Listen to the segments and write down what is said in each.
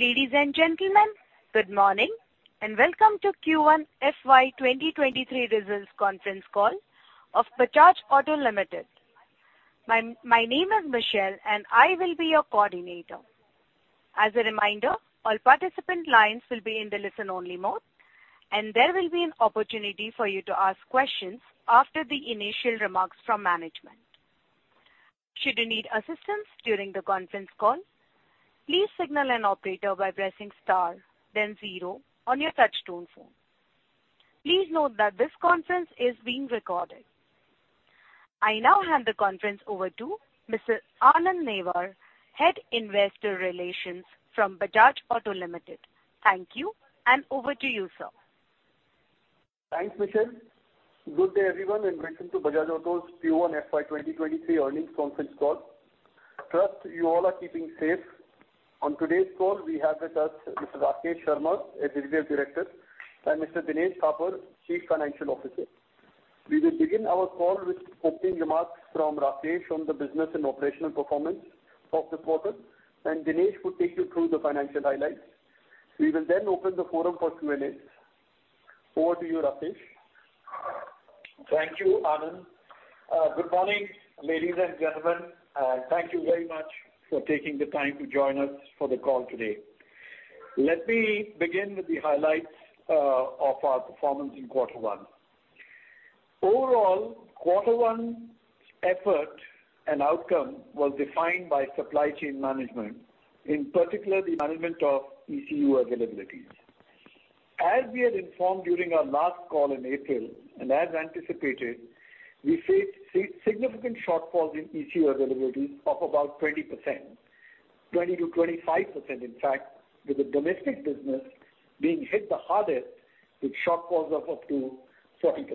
Ladies and gentlemen, good morning, and welcome to Q1 FY 2023 Results Conference Call of Bajaj Auto Limited. My name is Michelle, and I will be your coordinator. As a reminder, all participant lines will be in the listen-only mode, and there will be an opportunity for you to ask questions after the initial remarks from management. Should you need assistance during the conference call, please signal an operator by pressing star then zero on your touchtone phone. Please note that this conference is being recorded. I now hand the conference over to Mr. Anand Newar, Head, Investor Relations, from Bajaj Auto Limited. Thank you, and over to you, sir. Thanks, Michelle. Good day, everyone, and welcome to Bajaj Auto's Q1 FY 2023 earnings conference call. Trust you all are keeping safe. On today's call, we have with us Mr. Rakesh Sharma, Executive Director, and Mr. Dinesh Thapar, Chief Financial Officer. We will begin our call with opening remarks from Rakesh on the business and operational performance of this quarter, and Dinesh will take you through the financial highlights. We will then open the forum for Q&A. Over to you, Rakesh. Thank you, Anand. Good morning, ladies and gentlemen. Thank you very much for taking the time to join us for the call today. Let me begin with the highlights of our performance in quarter one. Overall, quarter one's effort and outcome was defined by supply chain management, in particular the management of ECU availabilities. As we had informed during our last call in April, and as anticipated, we faced significant shortfalls in ECU availabilities of about 20%, 20%-25%, in fact, with the domestic business being hit the hardest with shortfalls of up to 40%.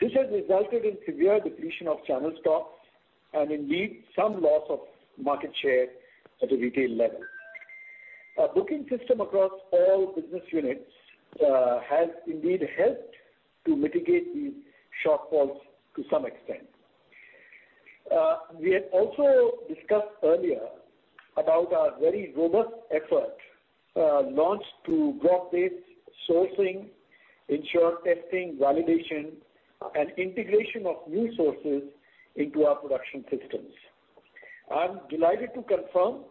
This has resulted in severe depletion of channel stocks and indeed some loss of market share at the retail level. Our booking system across all business units has indeed helped to mitigate these shortfalls to some extent. We had also discussed earlier about our very robust effort launched to broadbase sourcing, ensure testing, validation, and integration of new sources into our production systems. I'm delighted to confirm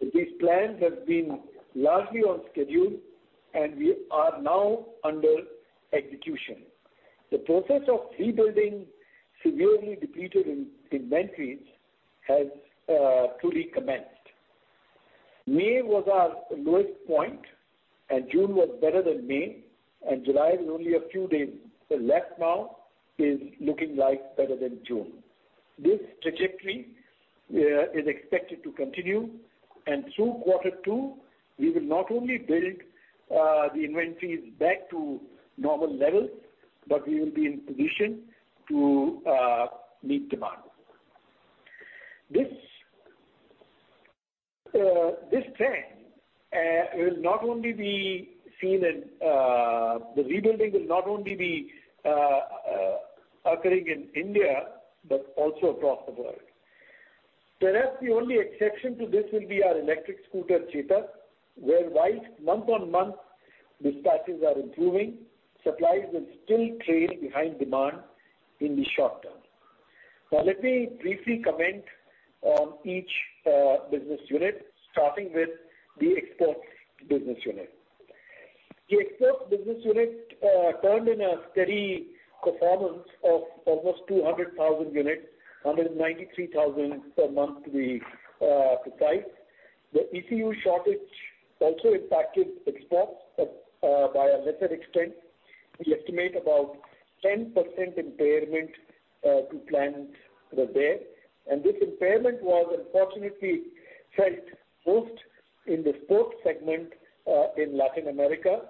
that these plans have been largely on schedule, and we are now under execution. The process of rebuilding severely depleted inventories has fully commenced. May was our lowest point, and June was better than May, and July, with only a few days left now, is looking like better than June. This trajectory is expected to continue, and through quarter two, we will not only build the inventories back to normal levels, but we will be in position to meet demand. The rebuilding will not only be occurring in India, but also across the world. Perhaps the only exception to this will be our electric scooter, Chetak, where while month-on-month dispatches are improving, supplies will still trail behind demand in the short term. Now let me briefly comment on each business unit, starting with the exports business unit. The exports business unit turned in a steady performance of almost 200,000 units, 193,000 per month we supplied. The ECU shortage also impacted exports by a lesser extent. We estimate about 10% impairment to volumes there, and this impairment was unfortunately felt most in the sports segment in Latin America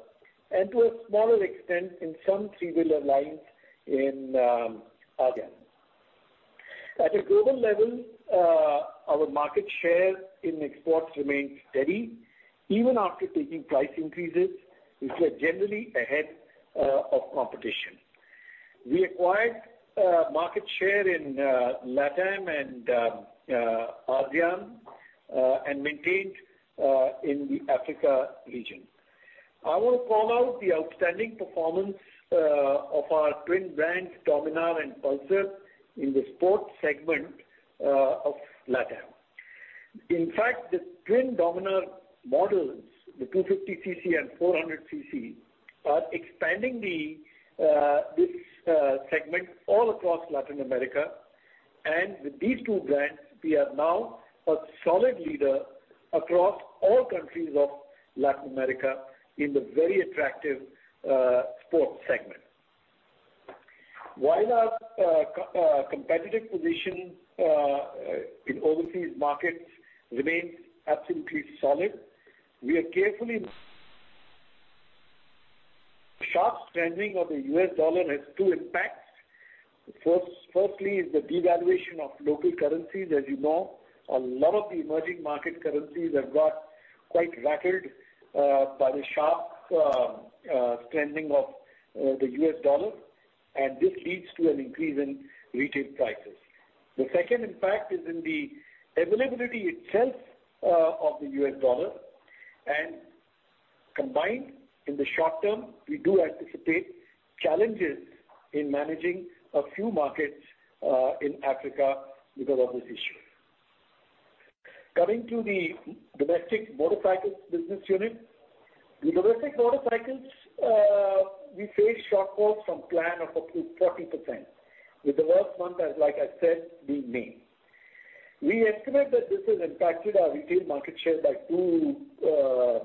and to a smaller extent in some three-wheeler lines in ASEAN. At a global level, our market share in exports remained steady. Even after taking price increases, we were generally ahead of competition. We acquired market share in LATAM and ASEAN and maintained in the Africa region. I will call out the outstanding performance of our twin brands, Dominar and Pulsar, in the sports segment of LATAM. In fact, the twin Dominar models, the 250 cc and 400 cc, are expanding this segment all across Latin America. With these two brands, we are now a solid leader across all countries of Latin America in the very attractive sports segment. While our competitive position in overseas markets remains absolutely solid. Sharp strengthening of the US dollar has two impacts. First, firstly is the devaluation of local currencies. As you know, a lot of the emerging market currencies have got quite rattled by the sharp strengthening of the US dollar. This leads to an increase in retail prices. The second impact is in the availability itself of the US dollar. Combined, in the short term, we do anticipate challenges in managing a few markets in Africa because of this issue. Coming to the domestic motorcycles business unit. In domestic motorcycles, we face shortfalls from plan of up to 40%, with the worst month, like I said, being May. We estimate that this has impacted our retail market share by 2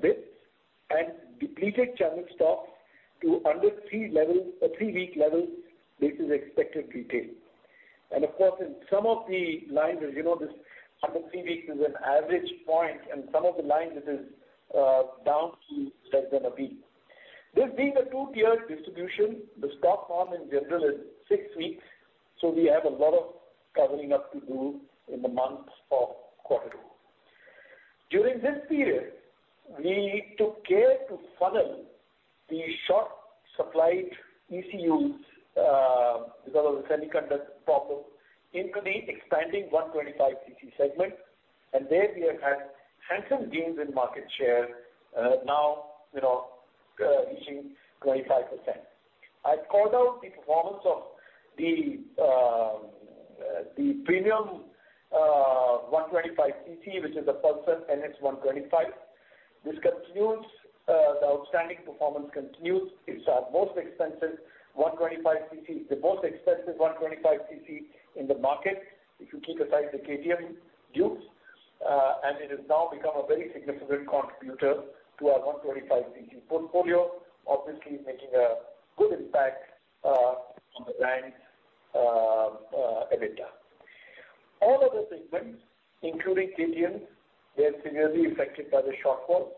basis points, and depleted channel stocks to under three levels, or three-week levels. This is expected retail. Of course, in some of the lines, as you know, this under three weeks is an average point, and some of the lines it is down to less than a week. This being a two-tiered distribution, the stock norm in general is six weeks, so we have a lot of covering up to do in the months of quarter two. During this period, we took care to funnel the short supplied ECUs because of the semiconductor problem, into the expanding 125 cc segment. There we have had handsome gains in market share, now, you know, reaching 25%. I called out the performance of the premium 125 cc, which is the Pulsar NS 125. This continues, the outstanding performance continues. It's our most expensive 125 cc, the most expensive 125 cc in the market, if you keep aside the KTM Duke. It has now become a very significant contributor to our 125 cc portfolio, obviously making a good impact on the brand's EBITDA. All other segments, including KTM, were severely affected by the shortfall.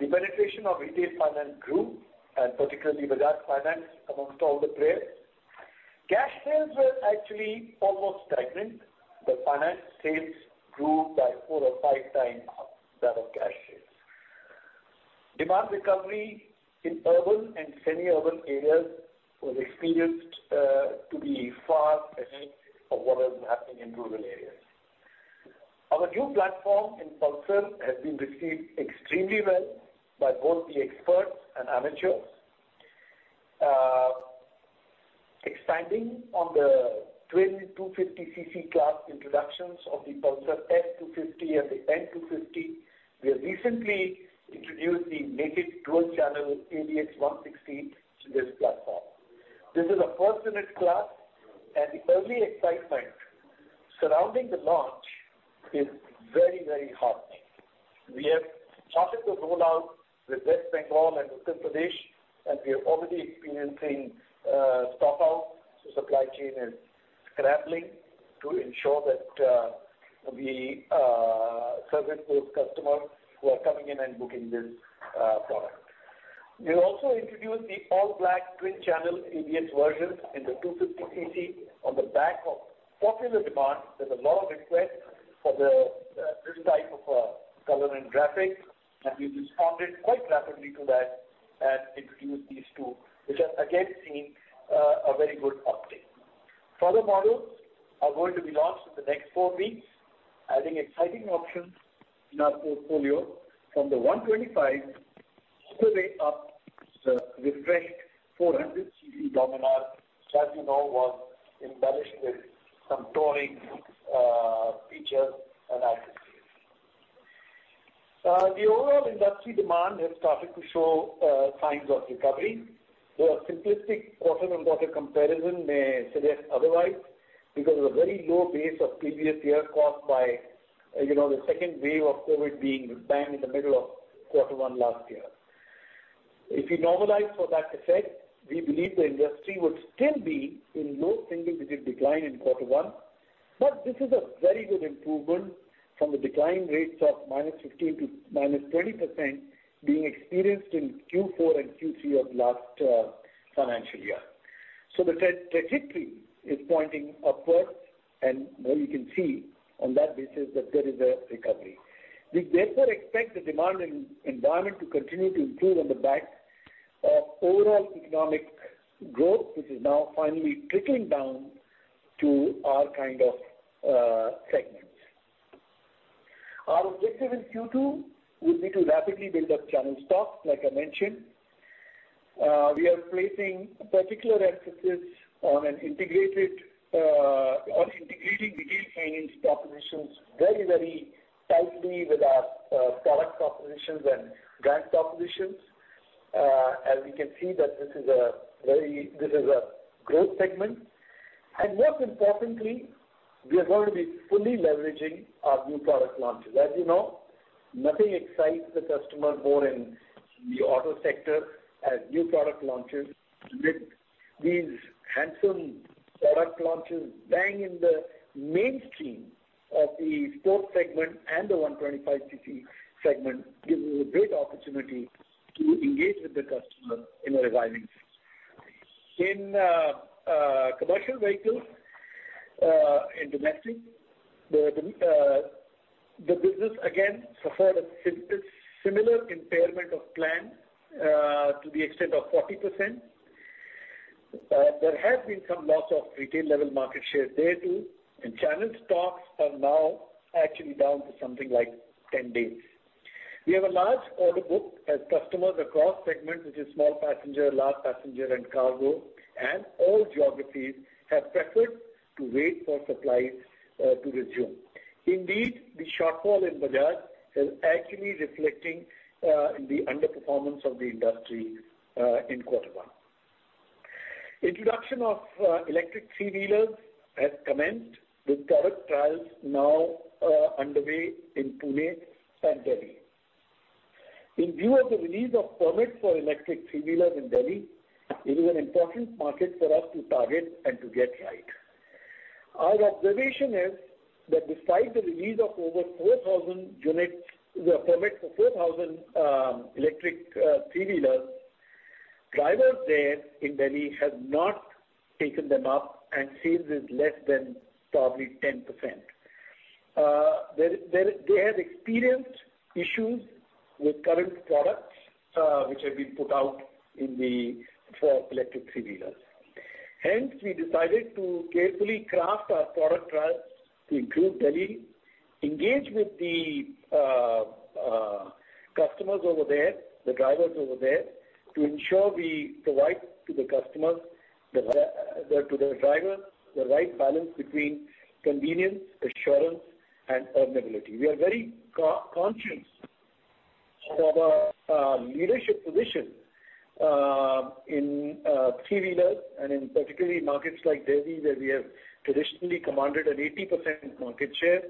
The penetration of retail finance grew, and particularly Bajaj Finance amongst all the players. Cash sales were actually almost stagnant. The finance sales grew by four or five times that of cash sales. Demand recovery in urban and semi-urban areas was experienced to be far ahead of what was happening in rural areas. Our new platform in Pulsar has been received extremely well by both the experts and amateurs. Expanding on the twin 250cc class introductions of the Pulsar F250 and the N250, we have recently introduced the naked dual channel ABS NS160 to this platform. This is a first in its class, and the early excitement surrounding the launch is very, very heartening. We have started the rollout with West Bengal and Uttar Pradesh, and we are already experiencing stock out, so supply chain is scrambling to ensure that we service those customers who are coming in and booking this product. We have also introduced the all-black twin channel ABS version in the 250 cc on the back of popular demand. There's a lot of request for the this type of color and graphic, and we've responded quite rapidly to that and introduced these two, which have again seen a very good uptake. Further models are going to be launched in the next four weeks, adding exciting options in our portfolio from the 125 all the way up to the refreshed 400 cc Dominar, which as you know, was embellished with some touring features and accessories. The overall industry demand has started to show signs of recovery, though a simplistic quarter-on-quarter comparison may suggest otherwise because of a very low base of previous year caused by, you know, the second wave of COVID being bang in the middle of quarter one last year. If you normalize for that effect, we believe the industry would still be in low single digit decline in quarter one, but this is a very good improvement from the decline rates of -15% to -20% being experienced in Q4 and Q3 of last financial year. The trend trajectory is pointing upwards, and, well, you can see on that basis that there is a recovery. We therefore expect the demand environment to continue to improve on the back of overall economic growth, which is now finally trickling down to our kind of segments. Our objective in Q2 will be to rapidly build up channel stocks, like I mentioned. We are placing particular emphasis on integrating retail finance propositions very, very tightly with our product propositions and brand propositions. As we can see that this is a growth segment. Most importantly, we are going to be fully leveraging our new product launches. As you know, nothing excites the customer more in the auto sector than new product launches. With these handsome product launches bang in the mainstream of the sports segment and the 125 cc segment gives us a great opportunity to engage with the customer in a reviving sense. In commercial vehicles and domestically. The business again suffered a similar impairment of plan to the extent of 40%. There has been some loss of retail level market share there too, and channel stocks are now actually down to something like 10 days. We have a large order book as customers across segments, which is small passenger, large passenger and cargo, and all geographies have preferred to wait for supplies to resume. Indeed, the shortfall in Bajaj is actually reflecting in the underperformance of the industry in quarter one. Introduction of electric three-wheelers has commenced with current trials now underway in Pune and Delhi. In view of the release of permits for electric three-wheelers in Delhi, it is an important market for us to target and to get right. Our observation is that despite the release of over 4,000 units, the permits for 4,000 electric three-wheelers, drivers there in Delhi have not taken them up, and sales is less than probably 10%. There, they have experienced issues with current products, which have been put out for electric three-wheelers. Hence, we decided to carefully craft our product trials to include Delhi, engage with the customers over there, the drivers over there, to ensure we provide to the drivers the right balance between convenience, assurance and earnability. We are very cognizant of our leadership position in three-wheelers and in particular markets like Delhi, where we have traditionally commanded an 80% market share.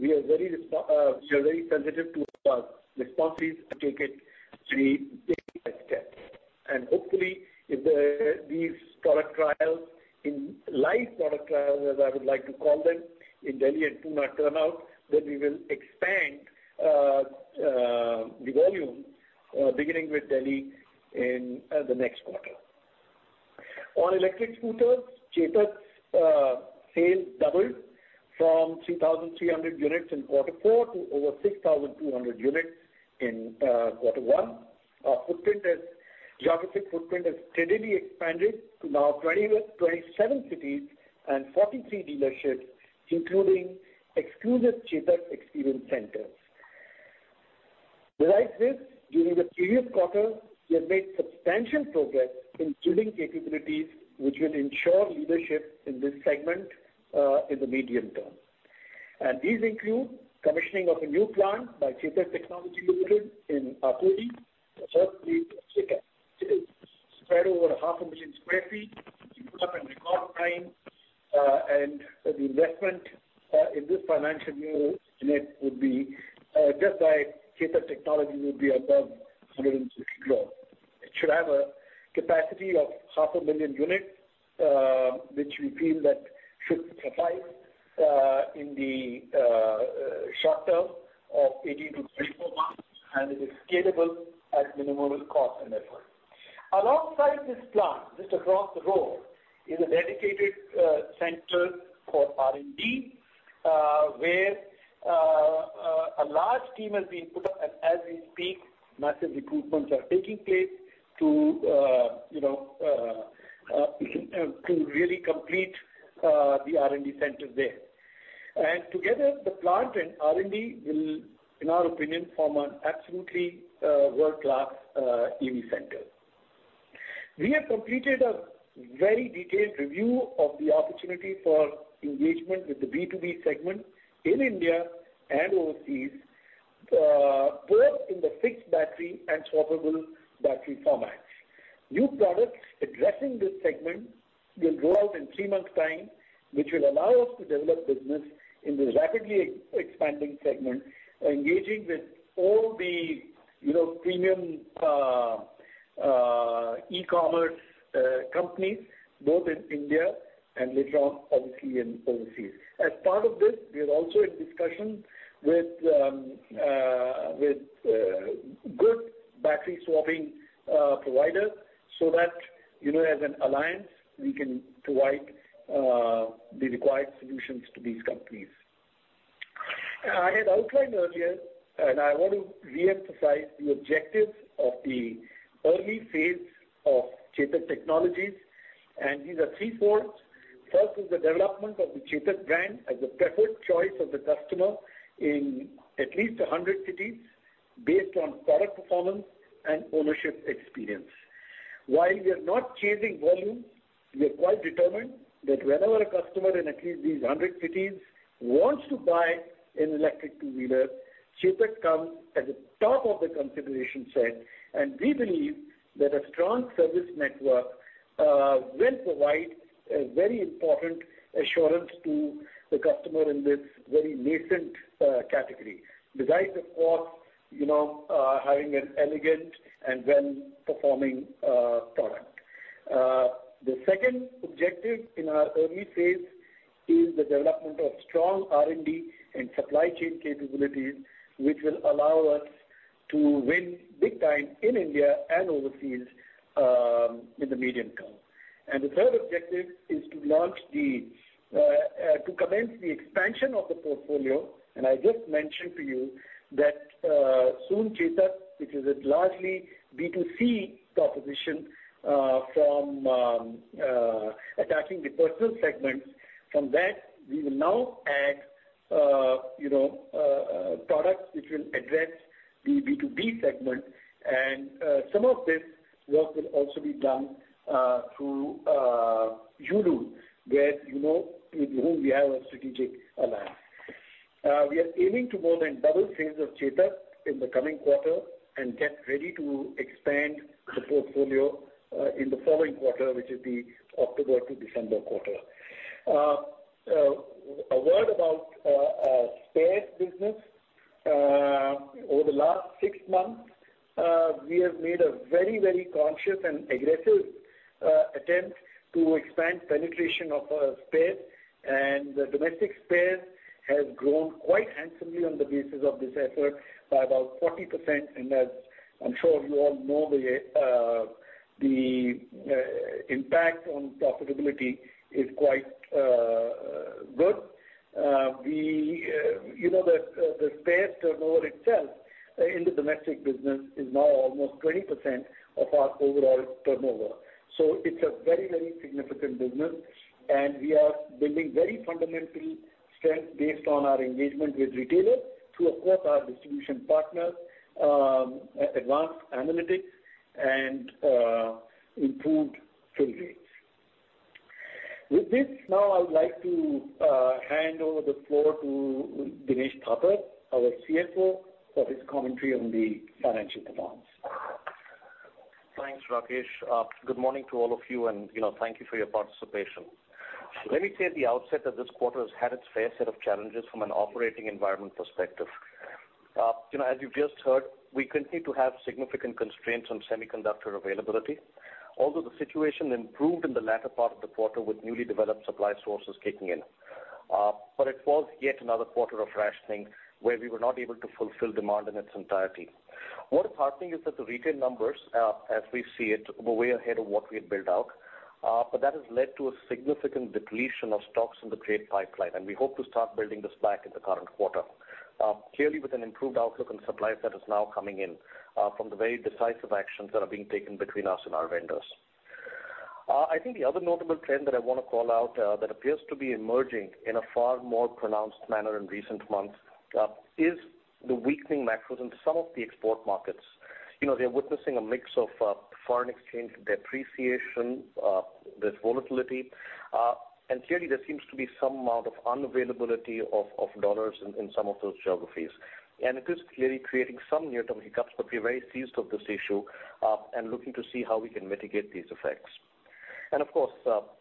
We are very sensitive to our responsibilities and take every step. Hopefully, if these live product trials, as I would like to call them, in Delhi and Pune turn out, then we will expand the volume beginning with Delhi in the next quarter. On electric scooters, Chetak's sales doubled from 3,300 units in quarter four to over 6,200 units in quarter one. Our geographic footprint has steadily expanded to now 27 cities and 43 dealerships, including exclusive Chetak experience centers. Besides this, during the previous quarter, we have made substantial progress in building capabilities which will ensure leadership in this segment, in the medium term. These include commissioning of a new plant by Chetak Technology Ltd. in Akurdi. The first spread over 500,000 sq ft to put up in record time. The investment in this financial year in it would be just by Chetak Technology Ltd. above 150 crore. It should have a capacity of 500,000 units, which we feel that should suffice in the short term of 18-24 months, and it is scalable at minimal cost and effort. Alongside this plant, just across the road, is a dedicated center for R&D, where a large team has been put up. As we speak, massive recruitments are taking place to, you know, to really complete the R&D center there. Together, the plant and R&D will, in our opinion, form an absolutely world-class EV center. We have completed a very detailed review of the opportunity for engagement with the B2B segment in India and overseas, both in the fixed battery and swappable battery formats. New products addressing this segment will roll out in three months' time, which will allow us to develop business in this rapidly expanding segment, engaging with all the, you know, premium e-commerce companies, both in India and later on obviously in overseas. As part of this, we are also in discussion with good battery swapping providers so that, you know, as an alliance, we can provide the required solutions to these companies. I had outlined earlier, and I want to reemphasize the objectives of the early phase of Chetak Technology, and these are threefold. First is the development of the Chetak brand as a preferred choice of the customer in at least 100 cities based on product performance and ownership experience. While we are not chasing volume, we are quite determined that whenever a customer in at least these 100 cities wants to buy an electric two-wheeler, Chetak comes at the top of the consideration set. We believe that a strong service network will provide a very important assurance to the customer in this very nascent category. Besides, of course, you know, having an elegant and well-performing product. The second objective in our early phase is the development of strong R&D and supply chain capabilities, which will allow us to win big time in India and overseas in the medium term. The third objective is to commence the expansion of the portfolio. I just mentioned to you that soon Chetak, which is a largely B2C proposition from attacking the personal segments. From that we will now add, you know, products which will address the B2B segment. Some of this work will also be done through Yulu, where, you know, with whom we have a strategic alliance. We are aiming to more than double sales of Chetak in the coming quarter and get ready to expand the portfolio in the following quarter, which is the October to December quarter. A word about spares business. Over the last six months, we have made a very, very conscious and aggressive attempt to expand penetration of spares. The domestic spares has grown quite handsomely on the basis of this effort by about 40%. As I'm sure you all know, the impact on profitability is quite good. You know that the spares turnover itself in the domestic business is now almost 20% of our overall turnover. It's a very, very significant business, and we are building very fundamental strength based on our engagement with retailers through, of course, our distribution partners, advanced analytics and improved fill rates. With this, now I would like to hand over the floor to Dinesh Thapar, our CFO, for his commentary on the financial performance. Thanks, Rakesh. Good morning to all of you, and, you know, thank you for your participation. Let me say at the outset that this quarter has had its fair set of challenges from an operating environment perspective. You know, as you've just heard, we continue to have significant constraints on semiconductor availability, although the situation improved in the latter part of the quarter with newly developed supply sources kicking in. It was yet another quarter of rationing where we were not able to fulfill demand in its entirety. What is heartening is that the retail numbers, as we see it, were way ahead of what we had built out. That has led to a significant depletion of stocks in the trade pipeline, and we hope to start building this back in the current quarter, clearly with an improved outlook on suppliers that is now coming in, from the very decisive actions that are being taken between us and our vendors. I think the other notable trend that I wanna call out, that appears to be emerging in a far more pronounced manner in recent months, is the weakening macros in some of the export markets. You know, they're witnessing a mix of foreign exchange depreciation. There's volatility, and clearly there seems to be some amount of unavailability of dollars in some of those geographies. It is clearly creating some near-term hiccups, but we're very seized of this issue, and looking to see how we can mitigate these effects. Of course,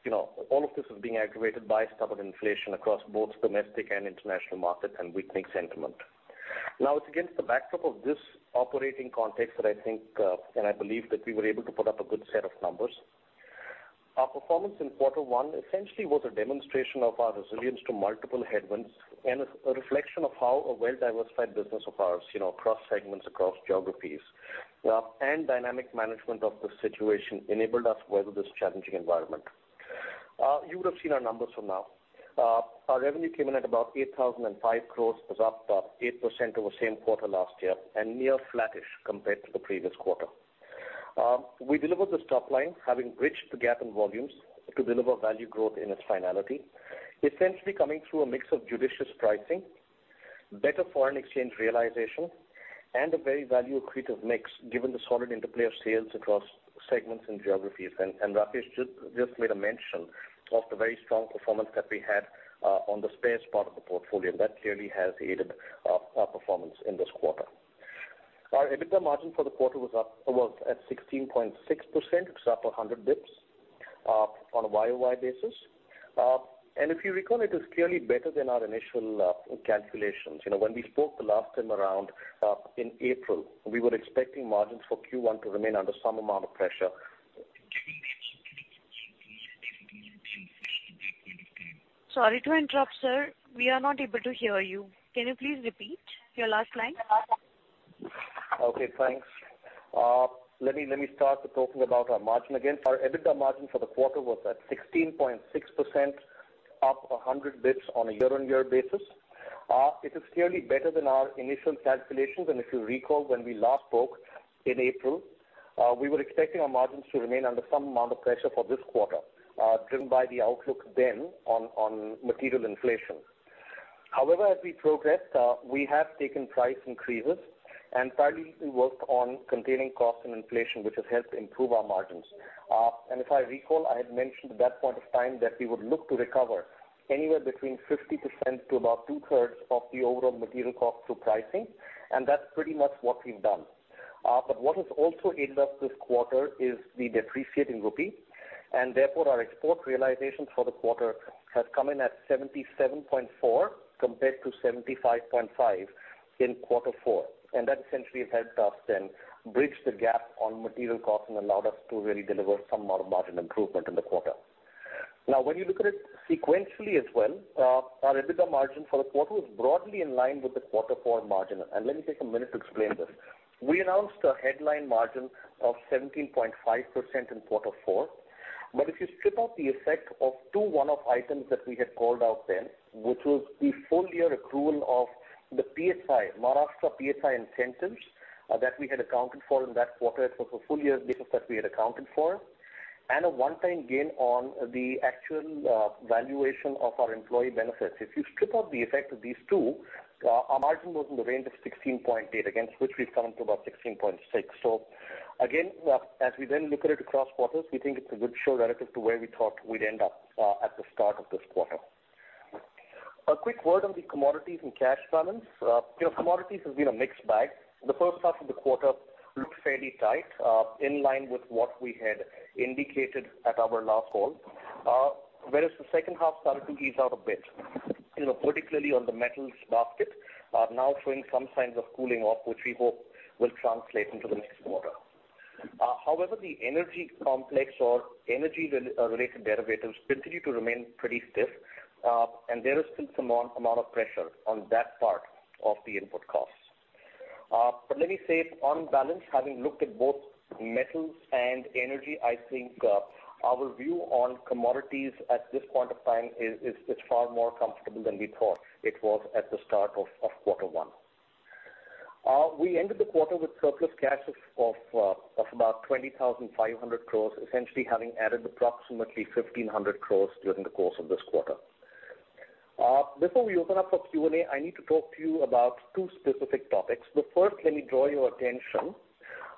you know, all of this is being aggravated by stubborn inflation across both domestic and international markets and weakening sentiment. Now, it's against the backdrop of this operating context that I think, and I believe that we were able to put up a good set of numbers. Our performance in quarter one essentially was a demonstration of our resilience to multiple headwinds and a reflection of how a well-diversified business of ours, you know, across segments, across geographies, and dynamic management of the situation enabled us to weather this challenging environment. You would have seen our numbers for now. Our revenue came in at about 8,005 crores. It was up 8% over same quarter last year and near flattish compared to the previous quarter. We delivered this top line having bridged the gap in volumes to deliver value growth in its finality, essentially coming through a mix of judicious pricing, better foreign exchange realization, and a very value accretive mix given the solid interplay of sales across segments and geographies. Rakesh Sharma just made a mention of the very strong performance that we had on the spares part of the portfolio. That clearly has aided our performance in this quarter. Our EBITDA margin for the quarter was at 16.6%. It's up 100 basis points on a YOY basis. If you recall, it is clearly better than our initial calculations. You know, when we spoke the last time around, in April, we were expecting margins for Q1 to remain under some amount of pressure. Sorry to interrupt, sir. We are not able to hear you. Can you please repeat your last line? Okay, thanks. Let me start talking about our margin again. Our EBITDA margin for the quarter was at 16.6%, up 100 bps on a year-on-year basis. It is clearly better than our initial calculations. If you recall, when we last spoke in April, we were expecting our margins to remain under some amount of pressure for this quarter, driven by the outlook then on material inflation. However, as we progressed, we have taken price increases and simultaneously worked on containing costs and inflation, which has helped improve our margins. If I recall, I had mentioned at that point of time that we would look to recover anywhere between 50% to about two-thirds of the overall material cost through pricing, and that's pretty much what we've done. What has also aided us this quarter is the depreciating rupee, and therefore, our export realization for the quarter has come in at 77.4 compared to 75.5 in quarter four. That essentially has helped us then bridge the gap on material costs and allowed us to really deliver some more margin improvement in the quarter. Now, when you look at it sequentially as well, our EBITDA margin for the quarter was broadly in line with the quarter four margin. Let me take a minute to explain this. We announced a headline margin of 17.5% in quarter four. If you strip out the effect of two one-off items that we had called out then, which was the full year accrual of the PSI, Maharashtra PSI incentives, that we had accounted for in that quarter. It was a full year business that we had accounted for and a one-time gain on the actual valuation of our employee benefits. If you strip out the effect of these two, our margin was in the range of 16.8%, against which we've come to about 16.6%. Again, as we then look at it across quarters, we think it's a good show relative to where we thought we'd end up at the start of this quarter. A quick word on the commodities and cash balance. You know, commodities has been a mixed bag. The first half of the quarter looked fairly tight, in line with what we had indicated at our last call, whereas the second half started to ease out a bit, you know, particularly on the metals basket, now showing some signs of cooling off, which we hope will translate into the next quarter. However, the energy complex or energy-related derivatives continue to remain pretty stiff, and there is still some amount of pressure on that part of the input costs. Let me say on balance, having looked at both metals and energy, I think our view on commodities at this point of time is far more comfortable than we thought it was at the start of quarter one. We ended the quarter with surplus cash of about 20,500 crores, essentially having added approximately 1,500 crores during the course of this quarter. Before we open up for Q&A, I need to talk to you about two specific topics. The first, let me draw your attention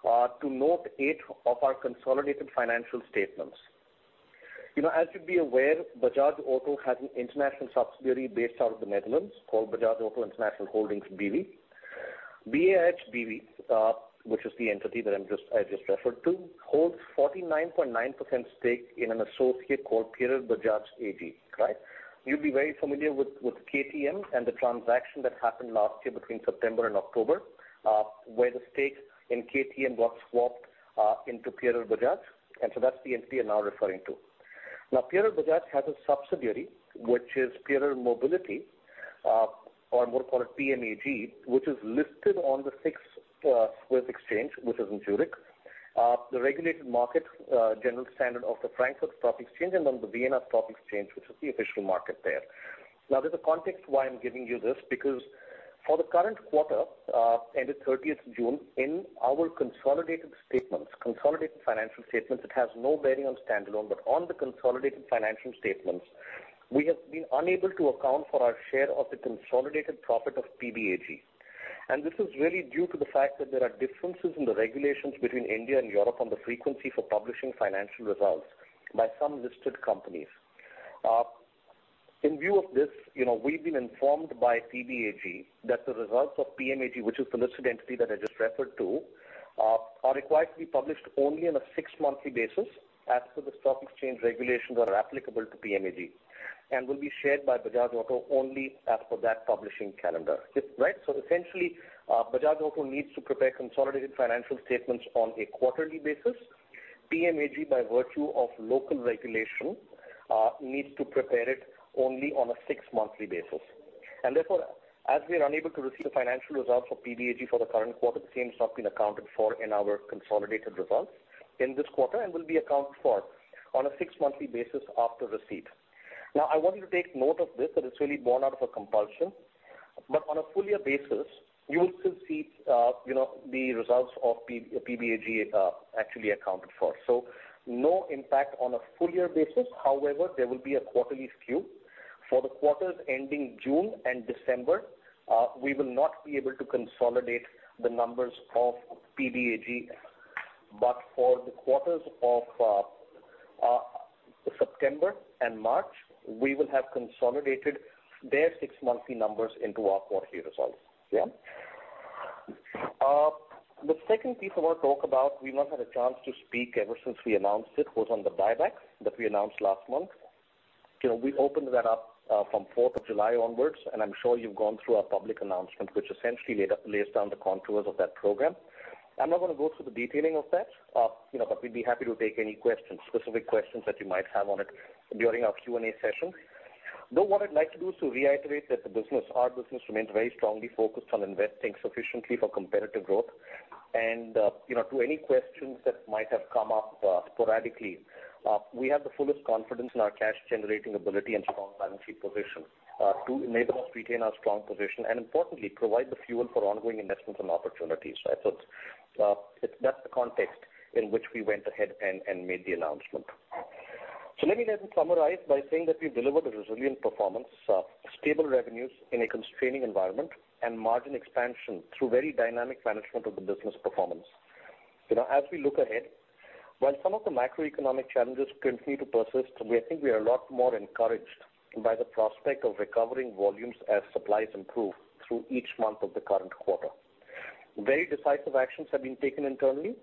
to note eight of our consolidated financial statements. You know, as you'd be aware, Bajaj Auto has an international subsidiary based out of the Netherlands called Bajaj Auto International Holdings BV. BAIH BV, which is the entity that I just referred to, holds 49.9% stake in an associate called Pierer Bajaj AG. Right? You'll be very familiar with KTM and the transaction that happened last year between September and October, where the stakes in KTM got swapped into Pierer Bajaj, and so that's the entity I'm now referring to. Pierer Bajaj has a subsidiary which is PIERER Mobility, or more commonly called PMAG, which is listed on the SIX Swiss Exchange, which is in Zurich. The regulated market, general standard of the Frankfurt Stock Exchange and on the Vienna Stock Exchange, which is the official market there. There's a context why I'm giving you this, because for the current quarter ended June 30th, in our consolidated financial statements, it has no bearing on standalone. On the consolidated financial statements, we have been unable to account for our share of the consolidated profit of PBAG. This is really due to the fact that there are differences in the regulations between India and Europe on the frequency for publishing financial results by some listed companies. In view of this, you know, we've been informed by PBAG that the results of PMAG, which is the listed entity that I just referred to, are required to be published only on a six-monthly basis as per the stock exchange regulations that are applicable to PMAG and will be shared by Bajaj Auto only as per that publishing calendar. Right? Essentially, Bajaj Auto needs to prepare consolidated financial statements on a quarterly basis. PMAG, by virtue of local regulation, needs to prepare it only on a six-monthly basis. Therefore, as we are unable to receive the financial results for PBAG for the current quarter, the same has not been accounted for in our consolidated results in this quarter and will be accounted for on a six-monthly basis after receipt. Now, I want you to take note of this, that it's really born out of a compulsion, but on a full year basis you will still see the results of PBAG actually accounted for. No impact on a full year basis. However, there will be a quarterly skew. For the quarters ending June and December, we will not be able to consolidate the numbers of PBAG. For the quarters of September and March, we will have consolidated their six-monthly numbers into our quarterly results. The second piece I wanna talk about, we've not had a chance to speak ever since we announced it, was on the buyback that we announced last month. You know, we opened that up from July 4th onwards, and I'm sure you've gone through our public announcement, which essentially lays down the contours of that program. I'm not gonna go through the detailing of that, you know, but we'd be happy to take any questions, specific questions that you might have on it during our Q&A session. Though what I'd like to do is to reiterate that the business, our business remains very strongly focused on investing sufficiently for competitive growth and, you know, to any questions that might have come up sporadically. We have the fullest confidence in our cash generating ability and strong financial position to enable us retain our strong position and importantly, provide the fuel for ongoing investments and opportunities. Right. That's the context in which we went ahead and made the announcement. Let me then summarize by saying that we've delivered a resilient performance, stable revenues in a constraining environment and margin expansion through very dynamic management of the business performance. You know, as we look ahead, while some of the macroeconomic challenges continue to persist, we think we are a lot more encouraged by the prospect of recovering volumes as supplies improve through each month of the current quarter. Very decisive actions have been taken internally,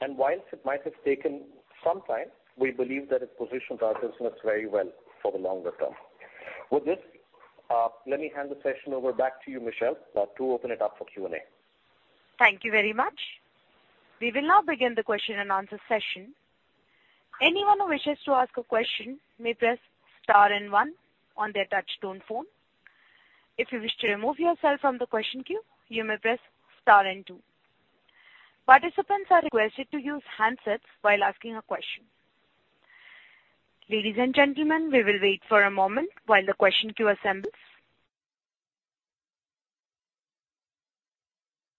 and while it might have taken some time, we believe that it positions our business very well for the longer term. With this, let me hand the session over back to you, Michelle, to open it up for Q&A. Thank you very much. We will now begin the question and answer session. Anyone who wishes to ask a question may press star and one on their touchtone phone. If you wish to remove yourself from the question queue, you may press star and two. Participants are requested to use handsets while asking a question. Ladies and gentlemen, we will wait for a moment while the question queue assembles.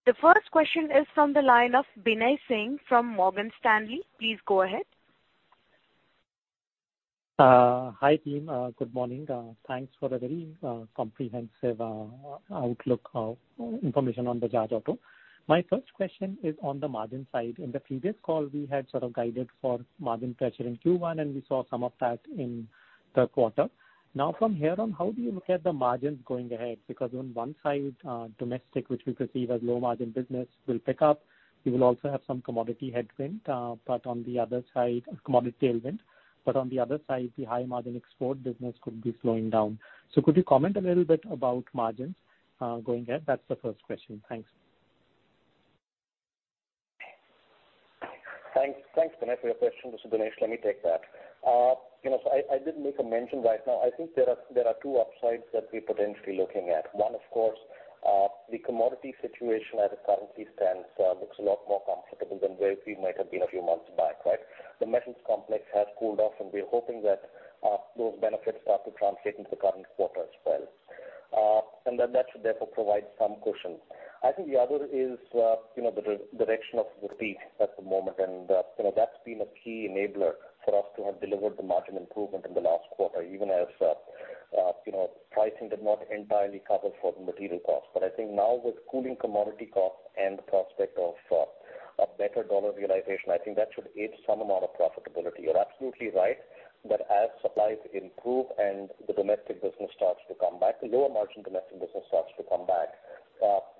The first question is from the line of Binay Singh from Morgan Stanley. Please go ahead. Hi team. Good morning. Thanks for a very comprehensive outlook of information on the Bajaj Auto. My first question is on the margin side. In the previous call, we had sort of guided for margin pressure in Q1, and we saw some of that in the quarter. Now, from here on, how do you look at the margins going ahead? Because on one side, domestic, which we perceive as low margin business, will pick up. You will also have some commodity headwind, but on the other side, commodity tailwind, the high margin export business could be slowing down. Could you comment a little bit about margins going ahead? That's the first question. Thanks. Thanks. Thanks, Binay, for your question. This is Dinesh. Let me take that. You know, I did make a mention right now. I think there are two upsides that we're potentially looking at. One, of course, the commodity situation as it currently stands looks a lot more comfortable than where we might have been a few months back, right? The metals complex has cooled off, and we're hoping that those benefits start to translate into the current quarter as well. That should therefore provide some cushion. I think the other is, you know, the direction of the rupee at the moment. You know, that's been a key enabler for us to have delivered the margin improvement in the last quarter, even as you know, pricing did not entirely cover for the material costs. I think now with cooling commodity costs and the prospect of a better dollar realization, I think that should aid some amount of profitability. You're absolutely right that as supplies improve and the domestic business starts to come back, the lower margin domestic business starts to come back,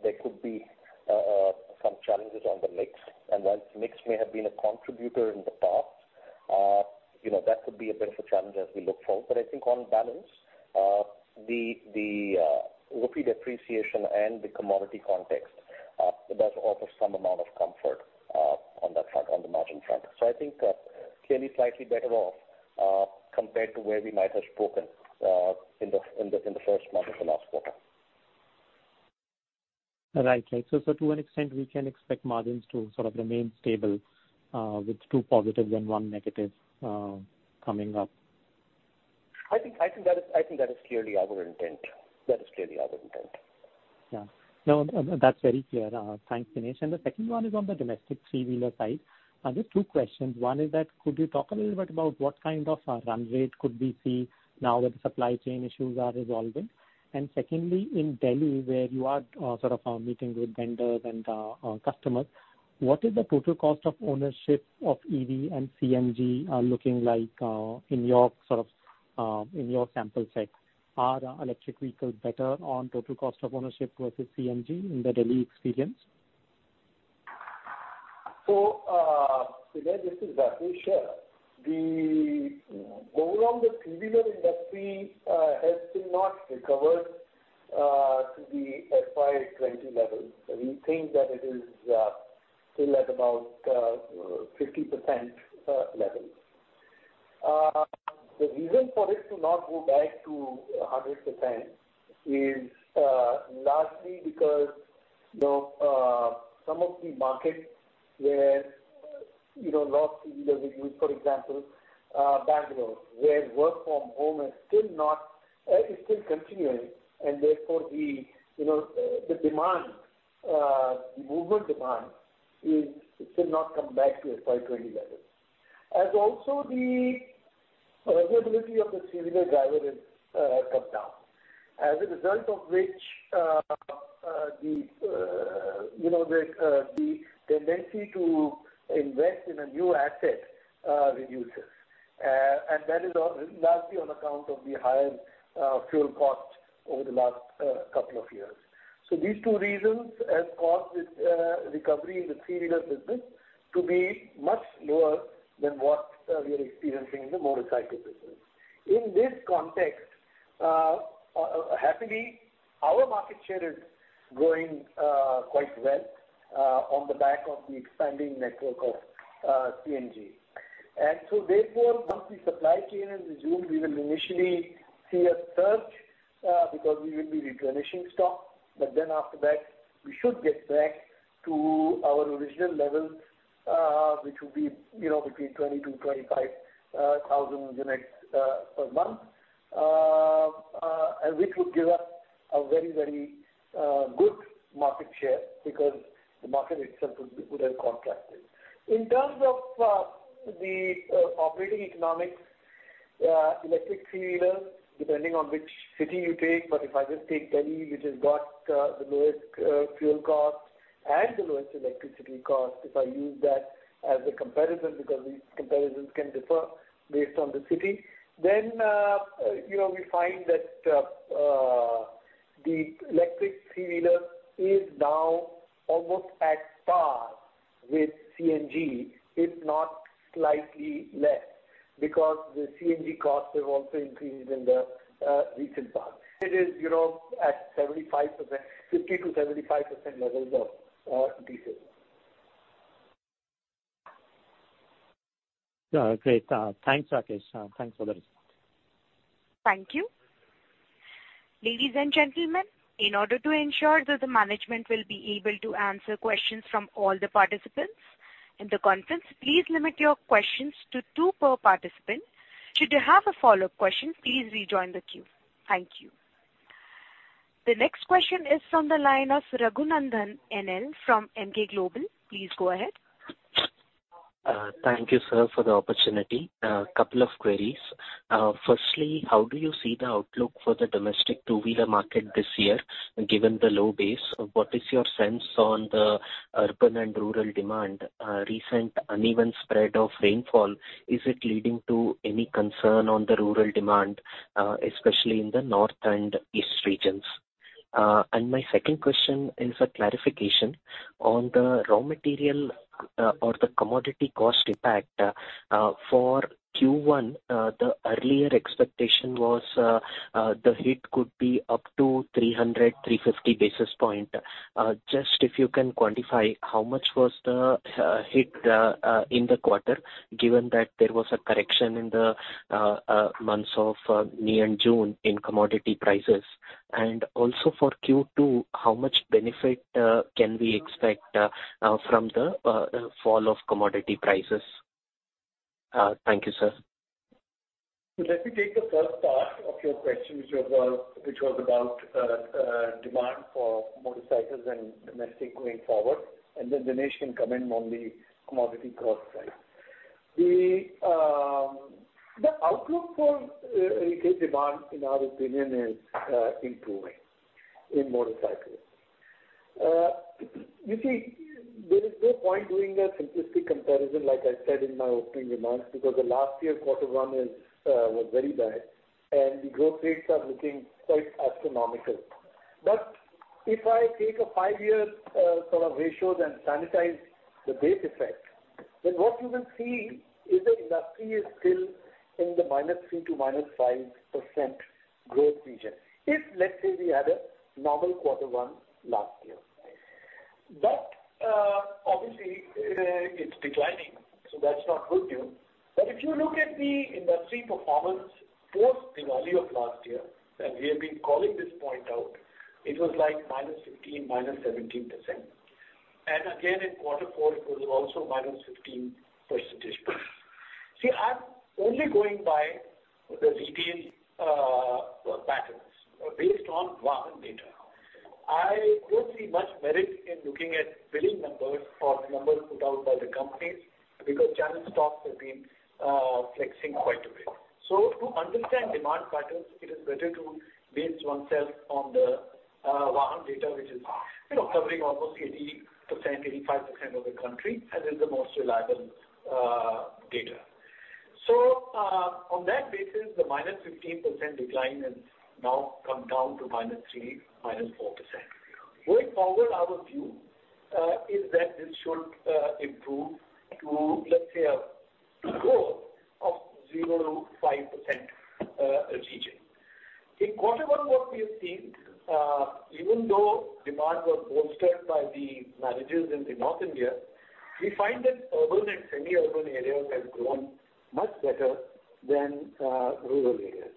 there could be some challenges on the mix. While mix may have been a contributor in the past, you know, that could be a bit of a challenge as we look forward. I think on balance, the rupee depreciation and the commodity context does offer some amount of comfort on that front, on the margin front. I think clearly slightly better off compared to where we might have spoken in the first month of the last quarter. Right. To an extent, we can expect margins to sort of remain stable, with two positives and one negative, coming up. I think that is clearly our intent. Yeah. No, no, that's very clear. Thanks, Dinesh. The second one is on the domestic three-wheeler side. There are two questions. One is that could you talk a little bit about what kind of run rate could we see now that the supply chain issues are resolving? Secondly, in Delhi, where you are sort of meeting with vendors and customers, what is the total cost of ownership of EV and CNG looking like in your sort of sample set? Are electric vehicles better on total cost of ownership versus CNG in the Delhi experience? Binay, this is Rakesh Sharma. The volume of three-wheeler industry has still not recovered to the FY2020 levels. We think that it is still at about 50% level. The reason for this to not go back to 100% is largely because, you know, some of the markets where, you know, lots of users, for example, Bangalore, where work from home is still continuing, and therefore the, you know, the demand, the movement demand is still not come back to its FY2020 levels. Also the availability of the three-wheeler driver has come down. As a result of which, you know, the tendency to invest in a new asset reduces. That is largely on account of the higher fuel costs over the last couple of years. These two reasons has caused this recovery in the three-wheeler business to be much lower than what we are experiencing in the motorcycle business. In this context, happily, our market share is growing quite well on the back of the expanding network of CNG. Therefore, once the supply chain has resumed, we will initially see a surge because we will be replenishing stock. After that, we should get back to our original levels, which will be, you know, between 20-25 thousand units per month. Which would give us a very good market share because the market itself would have contracted. In terms of the operating economics electric three-wheeler, depending on which city you take, but if I just take Delhi, which has got the lowest fuel cost and the lowest electricity cost, if I use that as a comparison, because these comparisons can differ based on the city, then you know, we find that the electric three-wheeler is now almost at par with CNG, if not slightly less. Because the CNG costs have also increased in the recent past. It is you know at 75%, 50%-75% levels of diesel. Yeah. Great. Thanks, Rakesh. Thanks for that. Thank you. Ladies and gentlemen, in order to ensure that the management will be able to answer questions from all the participants in the conference, please limit your questions to two per participant. Should you have a follow-up question, please rejoin the queue. Thank you. The next question is from the line of Raghunandhan N L from Emkay Global. Please go ahead. Thank you, sir, for the opportunity. A couple of queries. Firstly, how do you see the outlook for the domestic two-wheeler market this year given the low base? What is your sense on the urban and rural demand? Recent uneven spread of rainfall, is it leading to any concern on the rural demand, especially in the north and east regions? And my second question is a clarification on the raw material, or the commodity cost impact, for Q1. The earlier expectation was the hit could be up to 300-350 basis points. Just if you can quantify how much was the hit in the quarter, given that there was a correction in the months of May and June in commodity prices. Also for Q2, how much benefit can we expect from the fall of commodity prices? Thank you, sir. Let me take the first part of your question, which was about demand for motorcycles and domestic going forward, and then Dinesh can comment on the commodity cost side. The outlook for retail demand, in our opinion, is improving in motorcycles. You see, there is no point doing a simplistic comparison, like I said in my opening remarks, because the last year quarter one was very bad and the growth rates are looking quite astronomical. If I take a five-year sort of ratios and sanitize the base effect, then what you will see is the industry is still in the -3% to -5% growth region. If, let's say, we had a normal quarter one last year. Obviously, it's declining, so that's not good news. If you look at the industry performance post Diwali of last year, and we have been calling this point out, it was like -15% to -17%. Again, in quarter four it was also -15 percentage points. See, I'm only going by the retail patterns based on Vahan data. I don't see much merit in looking at billing numbers or numbers put out by the companies because channel stocks have been flexing quite a bit. To understand demand patterns, it is better to base oneself on the Vahan data, which is, you know, covering almost 80%-85% of the country and is the most reliable data. On that basis, the -15% decline has now come down to -3% to -4%. Going forward, our view is that this should improve to, let's say, to growth of 0%-5% region. In quarter one, what we have seen, even though demand was bolstered by the marriages in North India, we find that urban and semi-urban areas have grown much better than rural areas.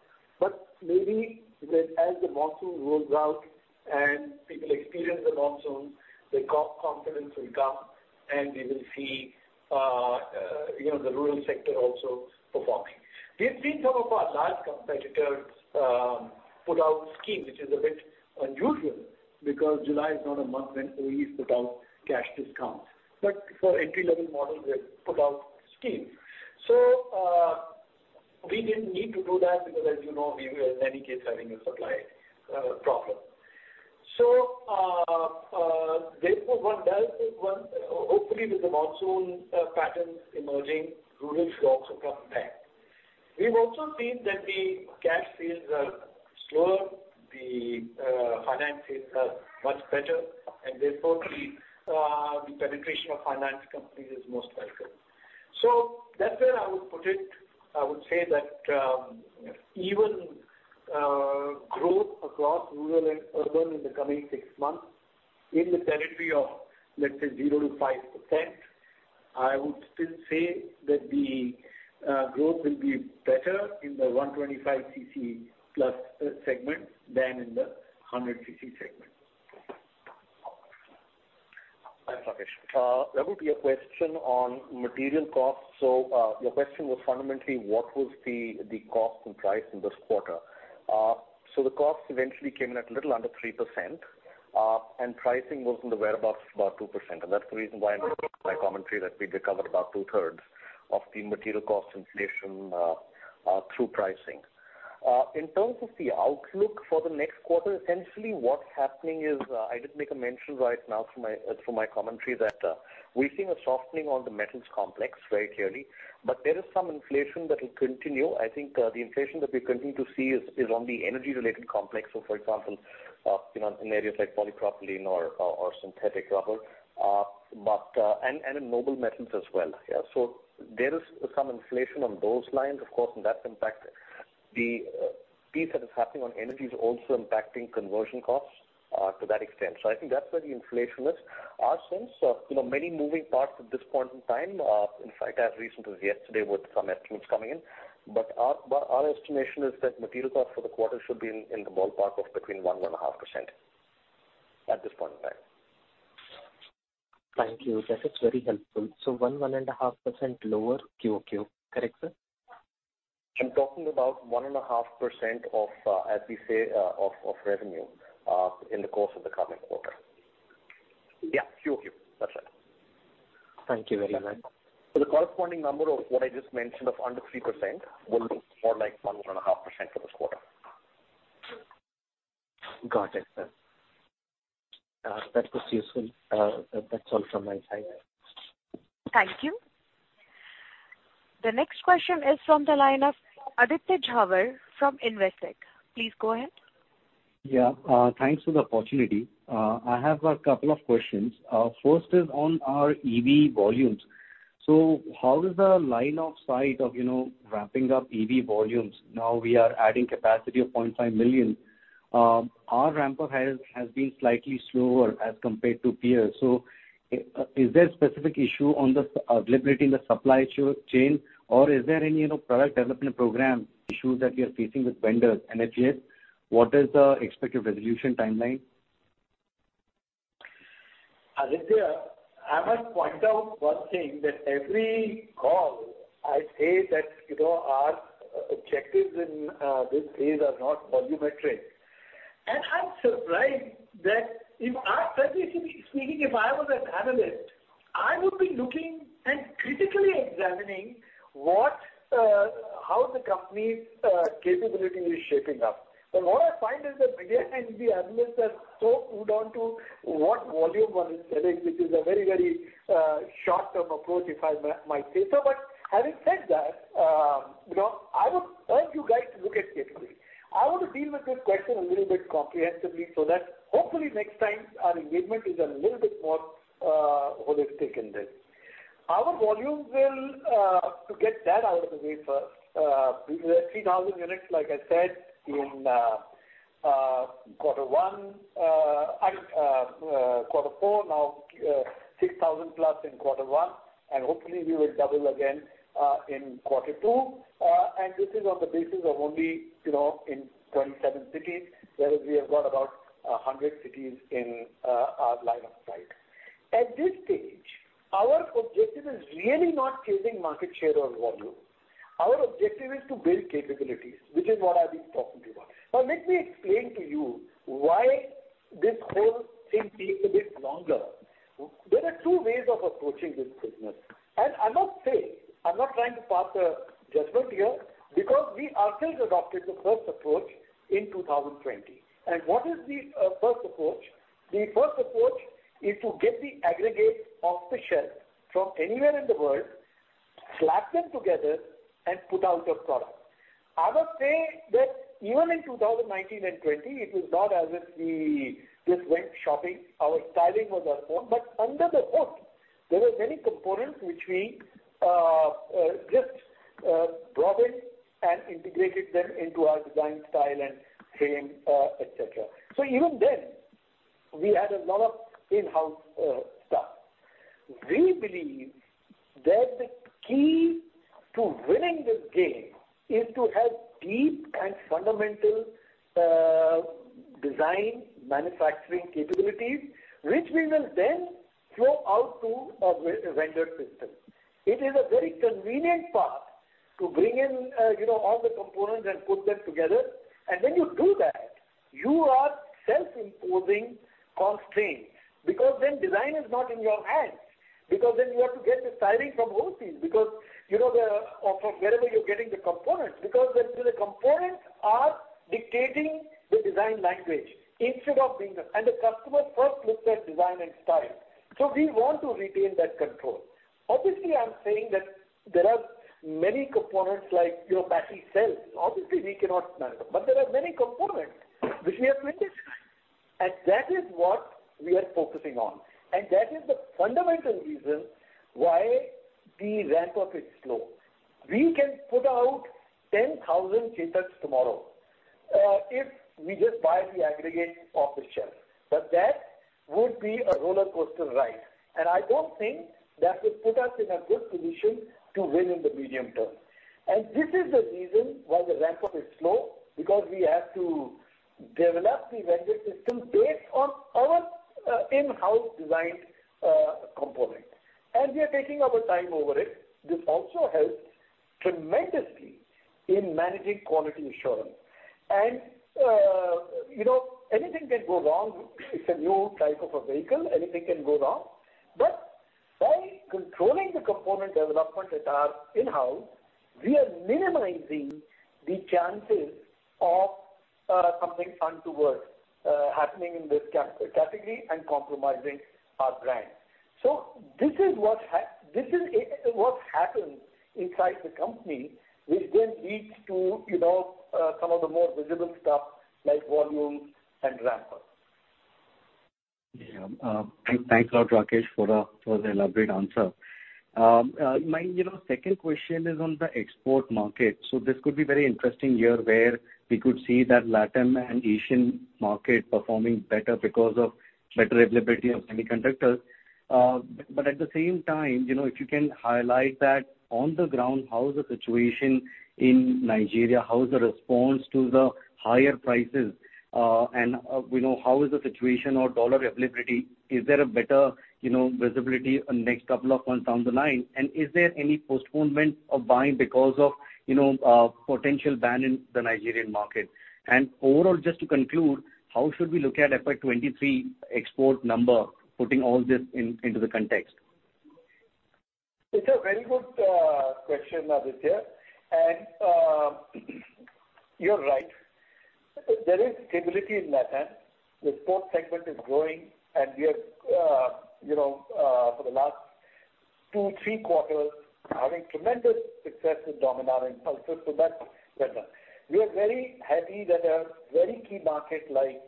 Maybe as the monsoon rolls out and people experience the monsoon, the confidence will come and we will see, you know, the rural sector also performing. We've seen some of our large competitors put out schemes, which is a bit unusual because July is not a month when OEM put out cash discounts. For entry-level models, they've put out schemes. We didn't need to do that because, as you know, we were in any case having a supply problem. Hopefully, with the monsoon patterns emerging, rural should also come back. We've also seen that the cash sales are slower, the finance sales are much better, and therefore the penetration of finance companies is most welcome. That's where I would put it. I would say that even growth across rural and urban in the coming six months in the territory of, let's say, 0%-5%, I would still say that the growth will be better in the 125 cc plus segment than in the 100 cc segment. Thanks, Rakesh. There would be a question on material costs. Your question was fundamentally what was the cost and price in this quarter? The cost eventually came in at a little under 3%, and pricing was in the whereabouts of about 2%. That's the reason why in my commentary that we recovered about two-thirds of the material cost inflation through pricing. In terms of the outlook for the next quarter, essentially what's happening is, I did make a mention right now from my commentary that, we're seeing a softening on the metals complex very clearly. There is some inflation that will continue. I think, the inflation that we continue to see is on the energy related complex. For example, you know, in areas like polypropylene or synthetic rubber. In noble metals as well. Yeah. There is some inflation on those lines. Of course, and that's impacted. The piece that is happening on energy is also impacting conversion costs to that extent. I think that's where the inflation is. Our sense of you know many moving parts at this point in time, in fact, as recent as yesterday with some estimates coming in. Our estimation is that material costs for the quarter should be in the ballpark of between 1%-1.5% at this point in time. Thank you. That is very helpful. 1%-1.5% lower QOQ, correct, sir? I'm talking about 1.5% of, as we say, of revenue, in the course of the coming quarter. Yeah. QOQ. That's right. Thank you very much. The corresponding number of what I just mentioned of under 3% will be more like 1%-1.5% for this quarter. Got it, sir. That was useful. That's all from my side. Thank you. The next question is from the line of Aditya Jhawar from Investec. Please go ahead. Yeah. Thanks for the opportunity. I have a couple of questions. First is on our EV volumes. How is the line of sight of, you know, ramping up EV volumes? Now we are adding capacity of 0.5 million. Our ramp up has been slightly slower as compared to peers. Is there a specific issue on the availability in the supply chain? Or is there any, you know, product development program issues that you're facing with vendors? If yes, what is the expected resolution timeline? Aditya, I must point out one thing that every call I say that, you know, our objectives in this phase are not volumetric. I'm surprised that if I personally speaking, if I was an analyst, I would be looking and critically examining what, how the company's capability is shaping up. What I find is that media and the analysts are so glued onto what volume one is selling, which is a very short-term approach, if I might say so. Having said that, you know, I would urge you guys to look at capability. I want to deal with this question a little bit comprehensively, so that hopefully next time our engagement is a little bit more holistic in this. Our volume will to get that out of the way first, we were at 3,000 units, like I said, in quarter one and quarter four. Now, 6,000 plus in quarter one, and hopefully we will double again in quarter two. This is on the basis of only, you know, in 27 cities, whereas we have got about 100 cities in our line of sight. At this stage, our objective is really not gaining market share or volume. Our objective is to build capabilities, which is what I've been talking to you about. Now, let me explain to you why this whole thing takes a bit longer. There are two ways of approaching this business. I must say, I'm not trying to pass a judgment here, because we ourselves adopted the first approach in 2020. What is the first approach? The first approach is to get the aggregates off the shelf from anywhere in the world, slap them together and put out a product. I must say that even in 2019 and 2020, it was not as if we just went shopping. Our styling was our own. But under the hood, there were many components which we just brought in and integrated them into our design style and frame, et cetera. Even then, we had a lot of in-house stuff. We believe that the key to winning this game is to have deep and fundamental design manufacturing capabilities, which we will then throw out to a vendor system. It is a very convenient path to bring in, you know, all the components and put them together. When you do that, you are self-imposing constraints, because then design is not in your hands, because then you have to get the styling from overseas, because you know, or from wherever you're getting the components, because the components are dictating the design language instead of being the. The customer first looks at design and style. We want to retain that control. Obviously, I'm saying that there are many components like, you know, battery cells. Obviously we cannot manage them, but there are many components which we are doing this. That is what we are focusing on. That is the fundamental reason why the ramp up is slow. We can put out 10,000 Chetaks tomorrow if we just buy the aggregate off the shelf. That would be a roller coaster ride, and I don't think that would put us in a good position to win in the medium term. This is the reason why the ramp up is slow, because we have to develop the vendor system based on our in-house design component. We are taking our time over it. This also helps tremendously in managing quality assurance. You know, anything can go wrong. It's a new type of a vehicle. Anything can go wrong. By controlling the component development that are in-house, we are minimizing the chances of something untoward happening in this category and compromising our brand. This is what happens inside the company, which then leads to, you know, some of the more visible stuff like volume and ramp up. Yeah. Thanks a lot, Rakesh, for the elaborate answer. My second question is on the export market. This could be very interesting year where we could see that LATAM and Asian market performing better because of better availability of semiconductors. But at the same time, you know, if you can highlight that on the ground, how is the situation in Nigeria, how is the response to the higher prices? And we know how is the situation or dollar availability. Is there a better, you know, visibility on next couple of months down the line? And is there any postponement of buying because of, you know, potential ban in the Nigerian market? And overall, just to conclude, how should we look at FY2023 export number, putting all this into the context? It's a very good question, Aditya. You're right. There is stability in LATAM. The sports segment is growing, and we are, you know, for the last two-three quarters, having tremendous success with Dominar and Pulsar, so that's better. We are very happy that a very key market like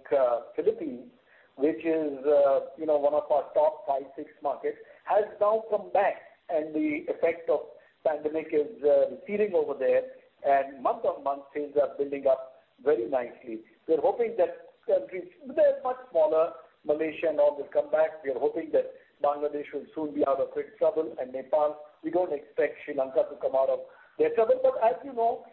Philippines, which is, you know, one of our top five-six markets, has now come back, and the effect of pandemic is receding over there. Month-on-month, things are building up very nicely. We're hoping that countries—they're much smaller. Malaysia and all will come back. We are hoping that Bangladesh will soon be out of its trouble. Nepal, we don't expect Sri Lanka to come out of their trouble. As you know,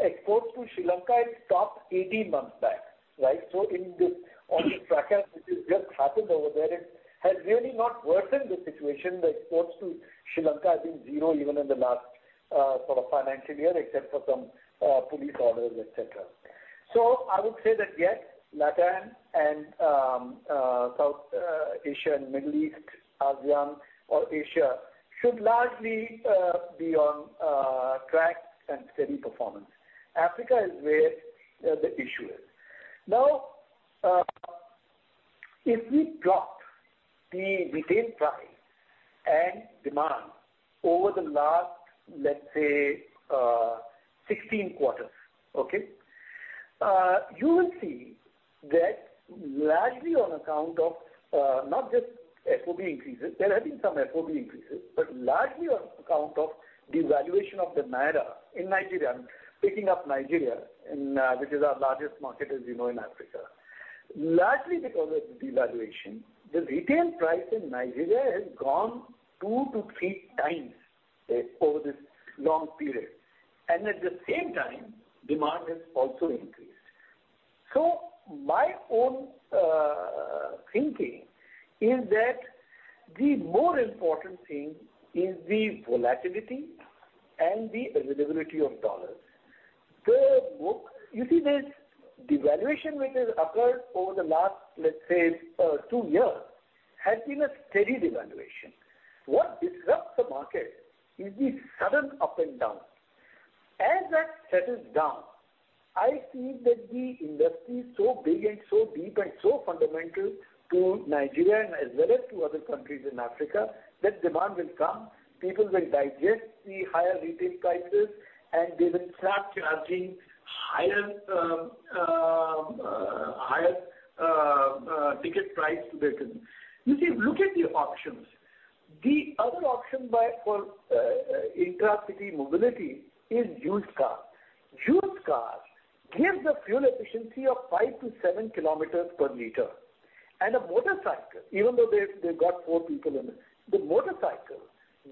exports to Sri Lanka, it stopped 18 months back, right? In this, all this fracas which has just happened over there, it has really not worsened the situation. The exports to Sri Lanka has been zero even in the last, sort of financial year, except for some, police orders, et cetera. I would say that, yes, LATAM and, South, Asia and Middle East, ASEAN or Asia should largely, be on, track and steady performance. Africa is where the issue is. Now, if we plot the retail price and demand over the last, let's say, 16 quarters, okay? You will see that largely on account of, not just FOB increases, there have been some FOB increases. Largely on account of devaluation of the naira in Nigeria. I'm picking up Nigeria in, which is our largest market, as you know, in Africa. Largely because of devaluation, the retail price in Nigeria has gone two to three times over this long period, and at the same time, demand has also increased. My own thinking is that the more important thing is the volatility and the availability of US dollars. You see this devaluation which has occurred over the last, let's say, two years, has been a steady devaluation. What disrupts the market is the sudden up and down. As that settles down, I see that the industry is so big and so deep and so fundamental to Nigeria and as well as to other countries in Africa, that demand will come. People will digest the higher retail prices, and they will start charging higher ticket price to the consumer. You see, look at the options. The other option for intra-city mobility is used car. Used car gives a fuel efficiency of 5-7 kilometers per liter. A motorcycle, even though they've got four people in it, the motorcycle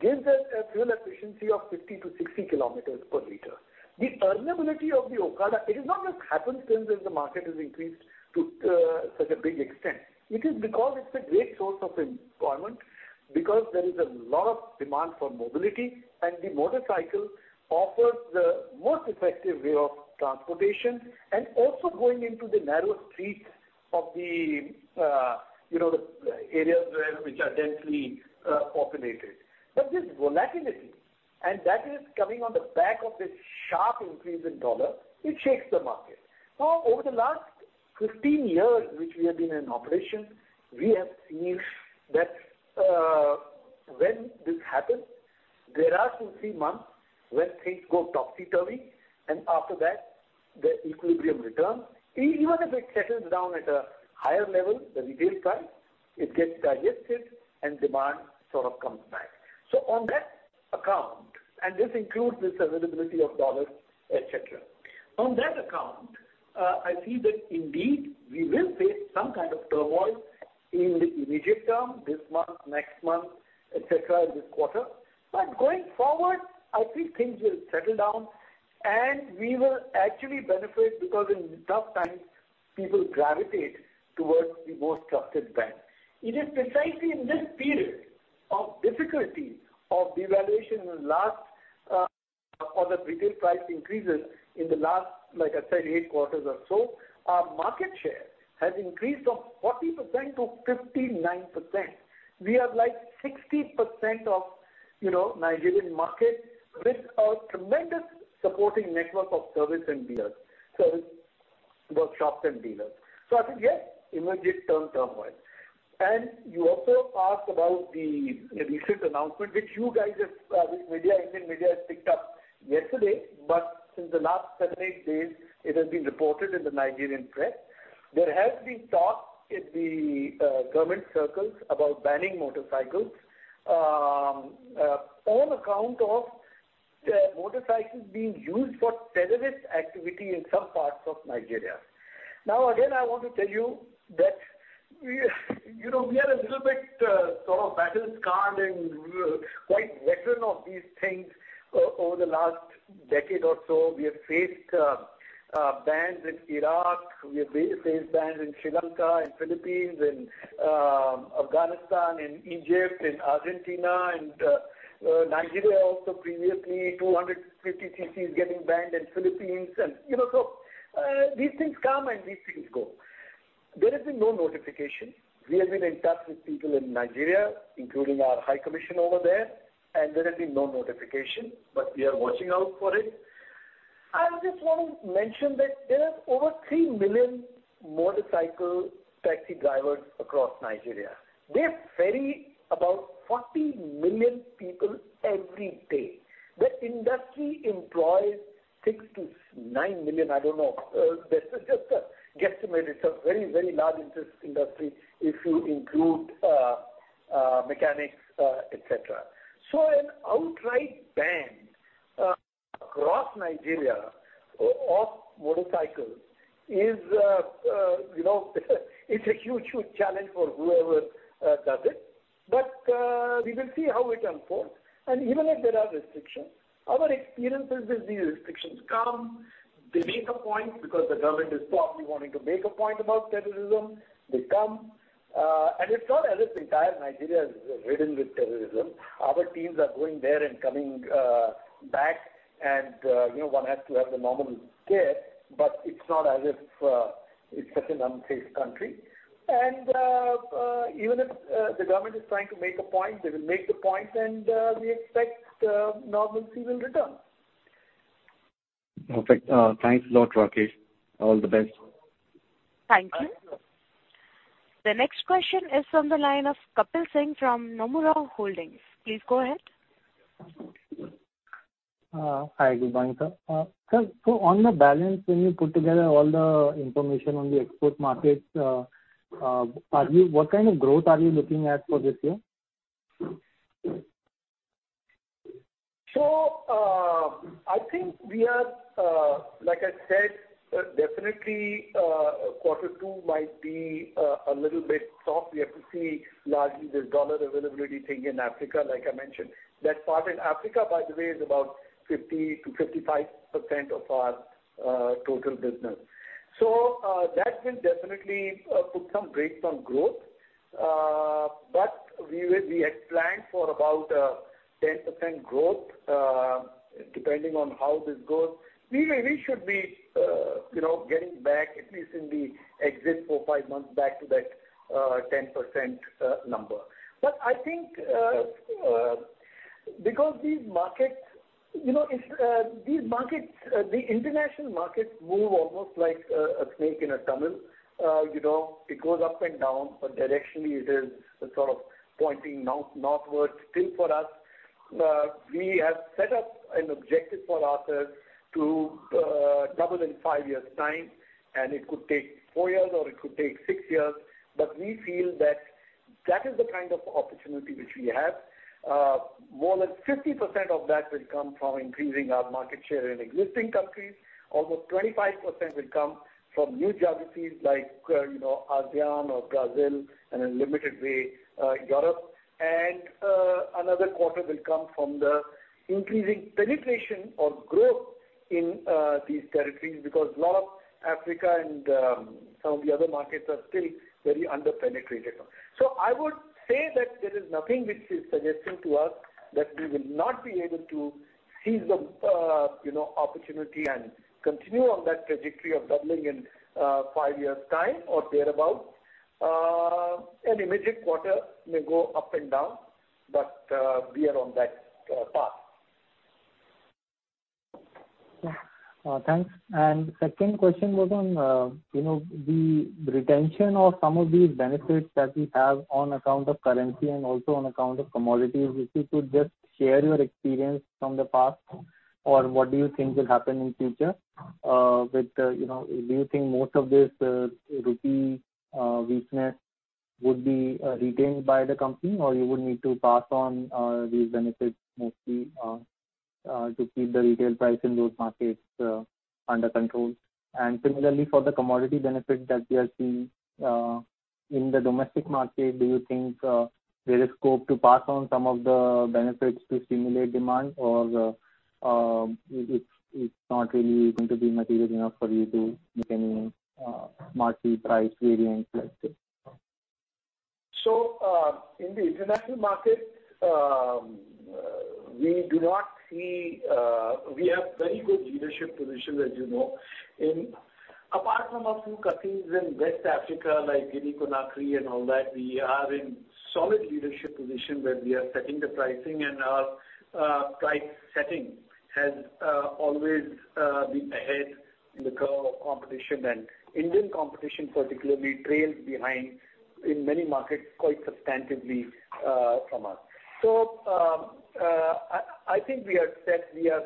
gives a fuel efficiency of 50-60 kilometers per liter. The viability of the Okada, it is not just happenstance that the market has increased to such a big extent. It is because it's a great source of employment, because there is a lot of demand for mobility, and the motorcycle offers the most effective way of transportation and also going into the narrow streets of, you know, the areas which are densely populated. This volatility, and that is coming on the back of this sharp increase in the US dollar, it shakes the market. Now, over the last 15 years which we have been in operation, we have seen that, when this happens, there are two-three months when things go topsy-turvy, and after that the equilibrium returns. Even if it settles down at a higher level, the retail price, it gets digested and demand sort of comes back. On that account, and this includes this availability of US dollars, et cetera. On that account, I see that indeed we will face some kind of turmoil in the immediate term, this month, next month, et cetera, this quarter. Going forward, I think things will settle down, and we will actually benefit because in tough times people gravitate towards the most trusted brand. It is precisely in this period of difficulty of devaluation in last, or the retail price increases in the last, like I said, eight quarters or so, our market share has increased from 40%-59%. We are like 60% of, you know, Nigerian market with a tremendous supporting network of service and dealers. Service workshops and dealers. I think, yeah, immediate term turmoil. You also asked about the recent announcement, which you guys have, which media, Indian media has picked up. Yesterday, but since the last seven, eight days, it has been reported in the Nigerian press. There has been talk in the, government circles about banning motorcycles, on account of, motorcycles being used for terrorist activity in some parts of Nigeria. Now, again, I want to tell you that we, you know, are a little bit, sort of battle-scarred and very veteran of these things over the last decade or so. We have faced bans in Iraq, we have faced bans in Sri Lanka, in Philippines, in Afghanistan, in Egypt, in Argentina, and Nigeria also previously, 250 CCs getting banned in Philippines. You know, these things come and these things go. There has been no notification. We have been in touch with people in Nigeria, including our high commission over there, and there has been no notification, but we are watching out for it. I just want to mention that there are over 3 million motorcycle taxi drivers across Nigeria. They ferry about 40 million people every day. That industry employs 6-9 million, I don't know. This is just a guesstimate. It's a very, very large service industry if you include mechanics, et cetera. An outright ban across Nigeria of motorcycles is, you know, it's a huge, huge challenge for whoever does it. We will see how it unfolds. Even if there are restrictions, our experience is that these restrictions come, they make a point because the government is probably wanting to make a point about terrorism. They come, and it's not as if the entire Nigeria is ridden with terrorism. Our teams are going there and coming back and, you know, one has to have the normal scare, but it's not as if it's such an unsafe country. Even if the government is trying to make a point, they will make the point and we expect normalcy will return. Perfect. Thanks a lot, Rakesh. All the best. Thank you. The next question is from the line of Kapil Singh from Nomura Holdings. Please go ahead. Hi. Good morning, sir. Sir, so on the balance, when you put together all the information on the export markets, what kind of growth are you looking at for this year? I think we are, like I said, definitely, quarter two might be a little bit soft. We have to see largely the dollar availability thing in Africa, like I mentioned. That part in Africa, by the way, is about 50%-55% of our total business. That will definitely put some brakes on growth. We had planned for about 10% growth, depending on how this goes. We should be, you know, getting back at least in the next four, five months back to that 10% number. I think, because these markets, you know, the international markets move almost like a snake in a tunnel. You know, it goes up and down, but directionally it is sort of pointing north, northwards still for us. We have set up an objective for ourselves to double in five years time, and it could take four years or it could take six years, but we feel that that is the kind of opportunity which we have. More or less 50% of that will come from increasing our market share in existing countries. Almost 25% will come from new geographies like, you know, ASEAN or Brazil and in limited way, Europe. Another quarter will come from the increasing penetration or growth in these territories because a lot of Africa and some of the other markets are still very under-penetrated. I would say that there is nothing which is suggesting to us that we will not be able to seize the, you know, opportunity and continue on that trajectory of doubling in five years time or thereabout. An immediate quarter may go up and down, but we are on that path. Thanks. Second question was on, you know, the retention of some of these benefits that we have on account of currency and also on account of commodities. If you could just share your experience from the past or what do you think will happen in future? With, you know, do you think most of this, rupee, weakness would be, retained by the company or you would need to pass on, these benefits mostly, to keep the retail price in those markets, under control? Similarly, for the commodity benefit that we are seeing, in the domestic market, do you think, there is scope to pass on some of the benefits to stimulate demand or, it's not really going to be material enough for you to make any, marked price variance, let's say? In the international markets, we do not see, we have very good leadership position, as you know. Apart from a few countries in West Africa like Guinea, Conakry and all that, we are in solid leadership position where we are setting the pricing and our price setting has always been ahead in the curve of competition and Indian competition, particularly trails behind in many markets quite substantively from us. I think we have said we are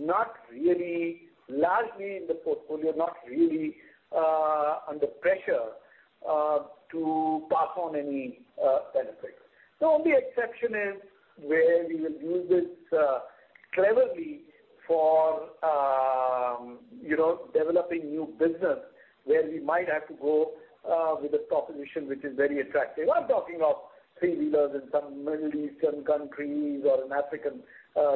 not really largely in the portfolio, not really under pressure to pass on any benefit. The only exception is where we will use this cleverly for you know, developing new business where we might have to go with a proposition which is very attractive. I'm talking of three-wheelers in some Middle Eastern countries or in African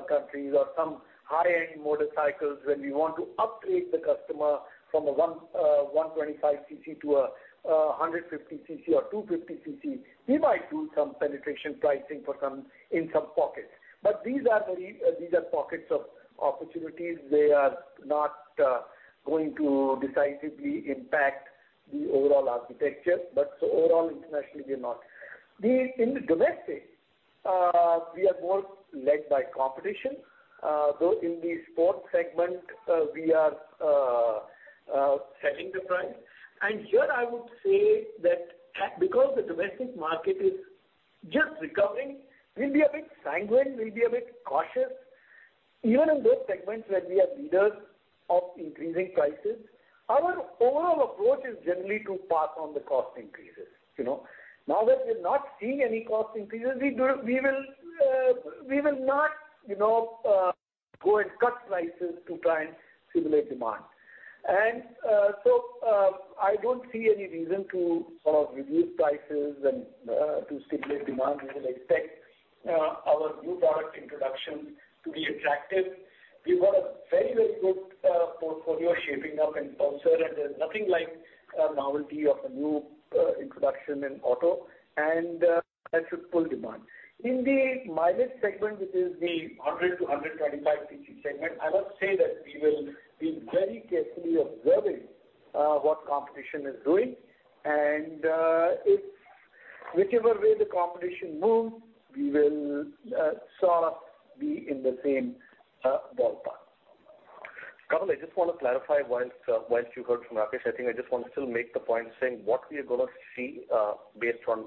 countries or some high-end motorcycles where we want to upgrade the customer from a 125 cc to a 150 cc or 250 cc. We might do some penetration pricing for some in some pockets. These are pockets of opportunities. They are not going to decisively impact the overall architecture. Overall, internationally, we're not. In the domestic, we are more led by competition, though in the sports segment, we are setting the price. Here I would say that because the domestic market is just recovering, we'll be a bit sanguine, we'll be a bit cautious. Even in those segments where we are leaders of increasing prices, our overall approach is generally to pass on the cost increases, you know. Now that we're not seeing any cost increases, we will not, you know, go and cut prices to try and stimulate demand. I don't see any reason to sort of reduce prices and to stimulate demand. We will expect our new product introduction to be attractive. We've got a very good portfolio shaping up in Pulsar, and there's nothing like a novelty of a new introduction in auto, and that should pull demand. In the mileage segment, which is the 100-125 cc segment, I must say that we will be very carefully observing what competition is doing, and if whichever way the competition moves, we will sort of be in the same ballpark. Kapil, I just want to clarify while you heard from Rakesh Sharma, I think I just want to still make the point saying what we are gonna see, based on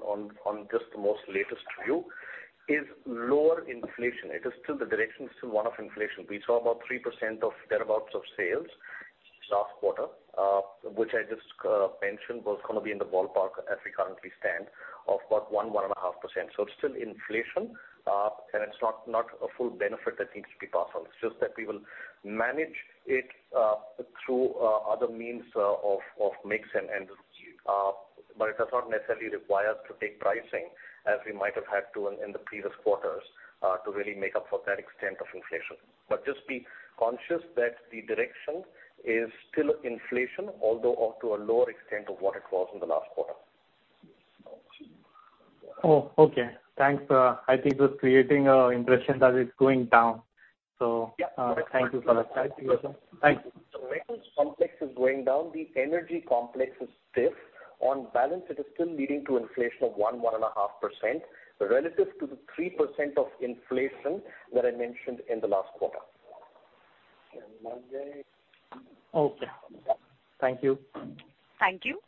just the most latest view is lower inflation. It is still the direction is still one of inflation. We saw about 3% or thereabouts of sales last quarter, which I just mentioned was gonna be in the ballpark as we currently stand of about 1-1.5%. It's still inflation, and it's not a full benefit that needs to be passed on. It's just that we will manage it through other means of mix and but it does not necessarily require us to take pricing as we might have had to in the previous quarters to really make up for that extent of inflation. Just be conscious that the direction is still inflation, although up to a lower extent of what it was in the last quarter. Oh, okay. Thanks. I think it was creating an impression that it's going down. Yeah. Thank you for that. Thanks. Metals complex is going down. The energy complex is stiff. On balance, it is still leading to inflation of 1-1.5% relative to the 3% of inflation that I mentioned in the last quarter. Okay. Thank you. Thank you.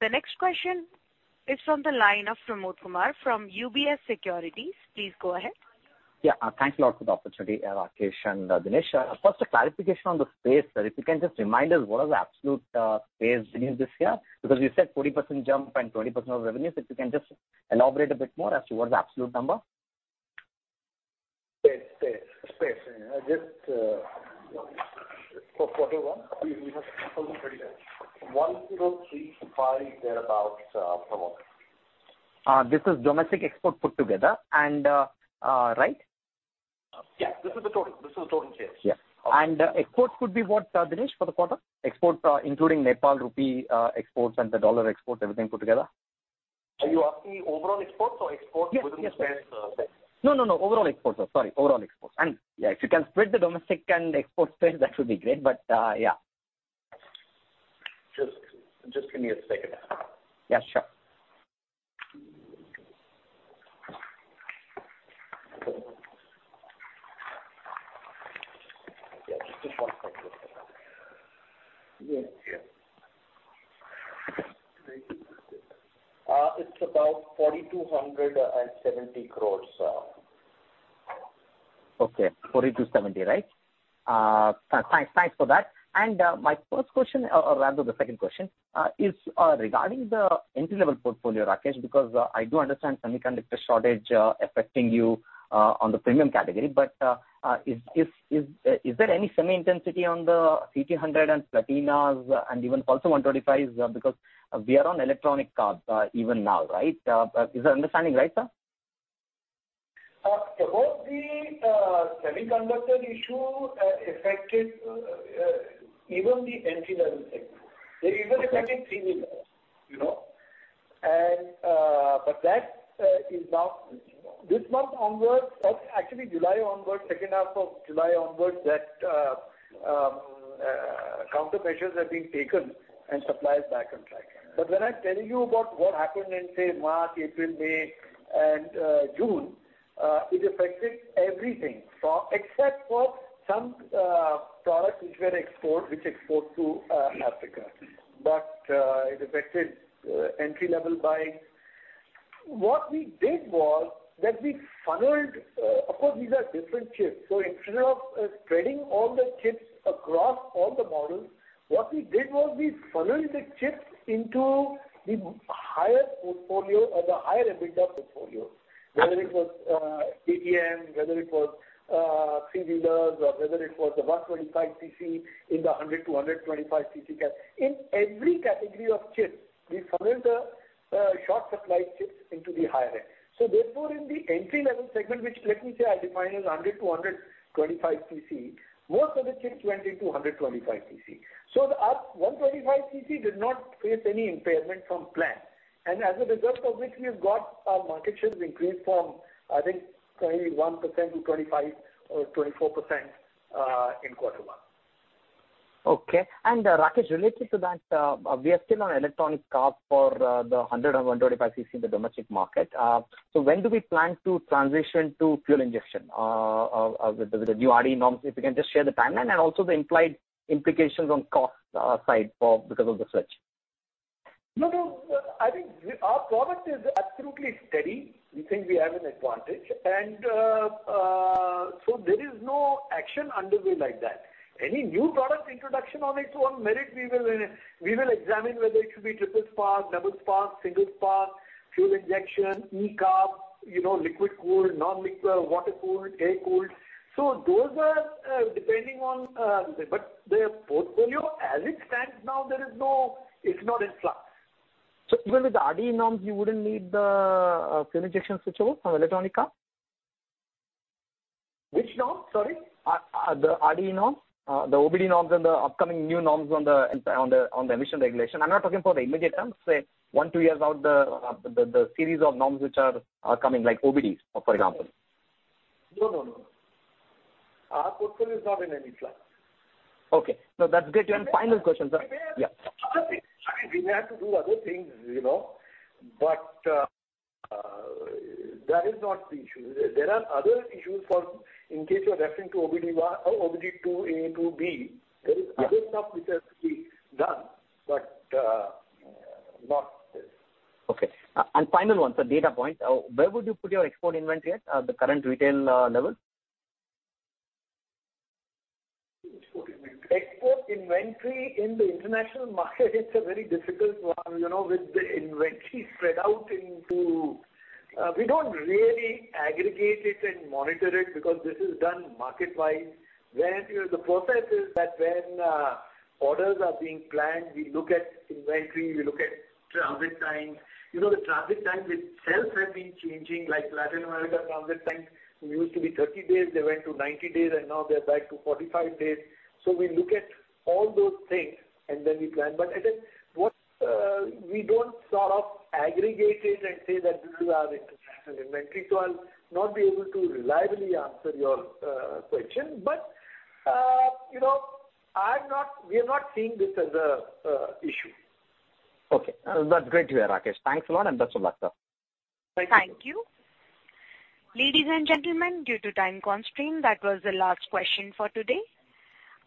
The next question is from the line of Pramod Kumar from UBS Securities. Please go ahead. Yeah. Thanks a lot for the opportunity, Rakesh and Dinesh. First, a clarification on the spares. If you can just remind us what is the absolute spares revenue this year? Because you said 40% jump and 20% of revenues. If you can just elaborate a bit more as to what is the absolute number. Sales, spares. Sales. Just for quarter one, we have told you pretty well. 1,035 thereabout, Pramod. This is domestic export put together and, right? Yeah. This is the total sales. Yeah. Exports could be what, Dinesh, for the quarter? Exports, including Nepal rupee, exports and the US dollar exports, everything put together. Are you asking overall exports or exports? Yes. Yes. Within the spares, segment? No, no. Overall exports. Sorry, overall exports. Yeah, if you can split the domestic and export spares, that would be great. Yeah. Just give me a second. Yeah, sure. Yeah, just a second. It's about INR 4,270 crores. Okay. 4,270, right? Thanks for that. My first question, rather the second question, is regarding the entry-level portfolio, Rakesh, because I do understand semiconductor shortage affecting you on the premium category. Is there any semi intensity on the CT 100 and Platinas and even Pulsar 125s, because we are on electronic carbs even now, right? Is that understanding right, sir? The whole semiconductor issue affected even the entry-level segment. They even affected three-wheelers, you know. This month onwards, or actually July onwards, second half of July onwards, countermeasures have been taken and supply is back on track. When I'm telling you about what happened in, say, March, April, May and June, it affected everything. Except for some products which were exported to Africa. It affected entry-level buying. What we did was that we funneled. Of course, these are different chips. Instead of spreading all the chips across all the models, what we did was we funneled the chips into the higher portfolio or the higher EBITDA portfolio. Whether it was two-wheelers, whether it was three-wheelers, or whether it was the 125 cc in the 100-125 cc category. In every category of chips, we funneled the short supply chips into the higher end. Therefore, in the entry-level segment, which let me say I define as 100-125 cc, most of the chips went into 125 cc. Our 125 cc did not face any impairment from shortage. As a result of which we have got our market share has increased from, I think, 21% to 25% or 24% in quarter one. Okay. Rakesh, related to that, we are still on electronic carb for the 100 and 125 cc in the domestic market. When do we plan to transition to fuel injection? With the new RDE norms, if you can just share the timeline and also the implied implications on cost side because of the switch. No, no. I think our product is absolutely steady. We think we have an advantage. There is no action underway like that. Any new product introduction on its own merit, we will examine whether it should be triple spark, double spark, single spark, fuel injection, e-carb, you know, liquid cooled, non-liquid, water cooled, air-cooled. Those are depending on. The portfolio as it stands now, there is no. It's not in flux. Even with the RDE norms, you wouldn't need the fuel injection switchover from electronic carb? Which norms? Sorry. The RDE norms, the OBD norms and the upcoming new norms on the emission regulation. I'm not talking for the immediate term, say one, two years out, the series of norms which are coming like OBD, for example. No, no. Our portfolio is not in any flux. Okay. No, that's great. Final question, sir. Yeah. We may have to do other things, you know, but that is not the issue. There are other issues for in case you're referring to OBD two, A and two B. There is other stuff which has to be done, but not this. Okay. Final one, data point. Where would you put your export inventory at, the current retail level? Export inventory. Export inventory in the international market is a very difficult one, you know, with the inventory spread out. We don't really aggregate it and monitor it because this is done market-wise. When you know, the process is that when orders are being planned, we look at inventory, we look at transit time. You know, the transit time itself has been changing, like Latin America transit time used to be 30 days, they went to 90 days, and now they're back to 45 days. We look at all those things and then we plan. Again, we don't sort of aggregate it and say that this is our international inventory, so I'll not be able to reliably answer your question. You know, we are not seeing this as an issue. Okay. That's great to hear, Rakesh. Thanks a lot, and best of luck, sir. Thank you. Thank you. Ladies and gentlemen, due to time constraint, that was the last question for today.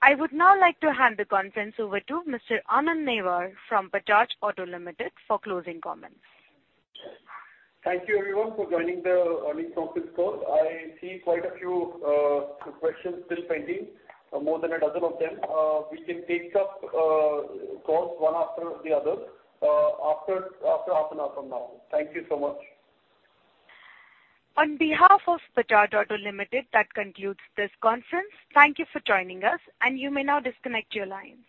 I would now like to hand the conference over to Mr. Anand Newar from Bajaj Auto Limited for closing comments. Thank you everyone for joining the earnings conference call. I see quite a few questions still pending, more than a dozen of them. We can take up calls one after the other, after half an hour from now. Thank you so much. On behalf of Bajaj Auto Limited, that concludes this conference. Thank you for joining us, and you may now disconnect your lines.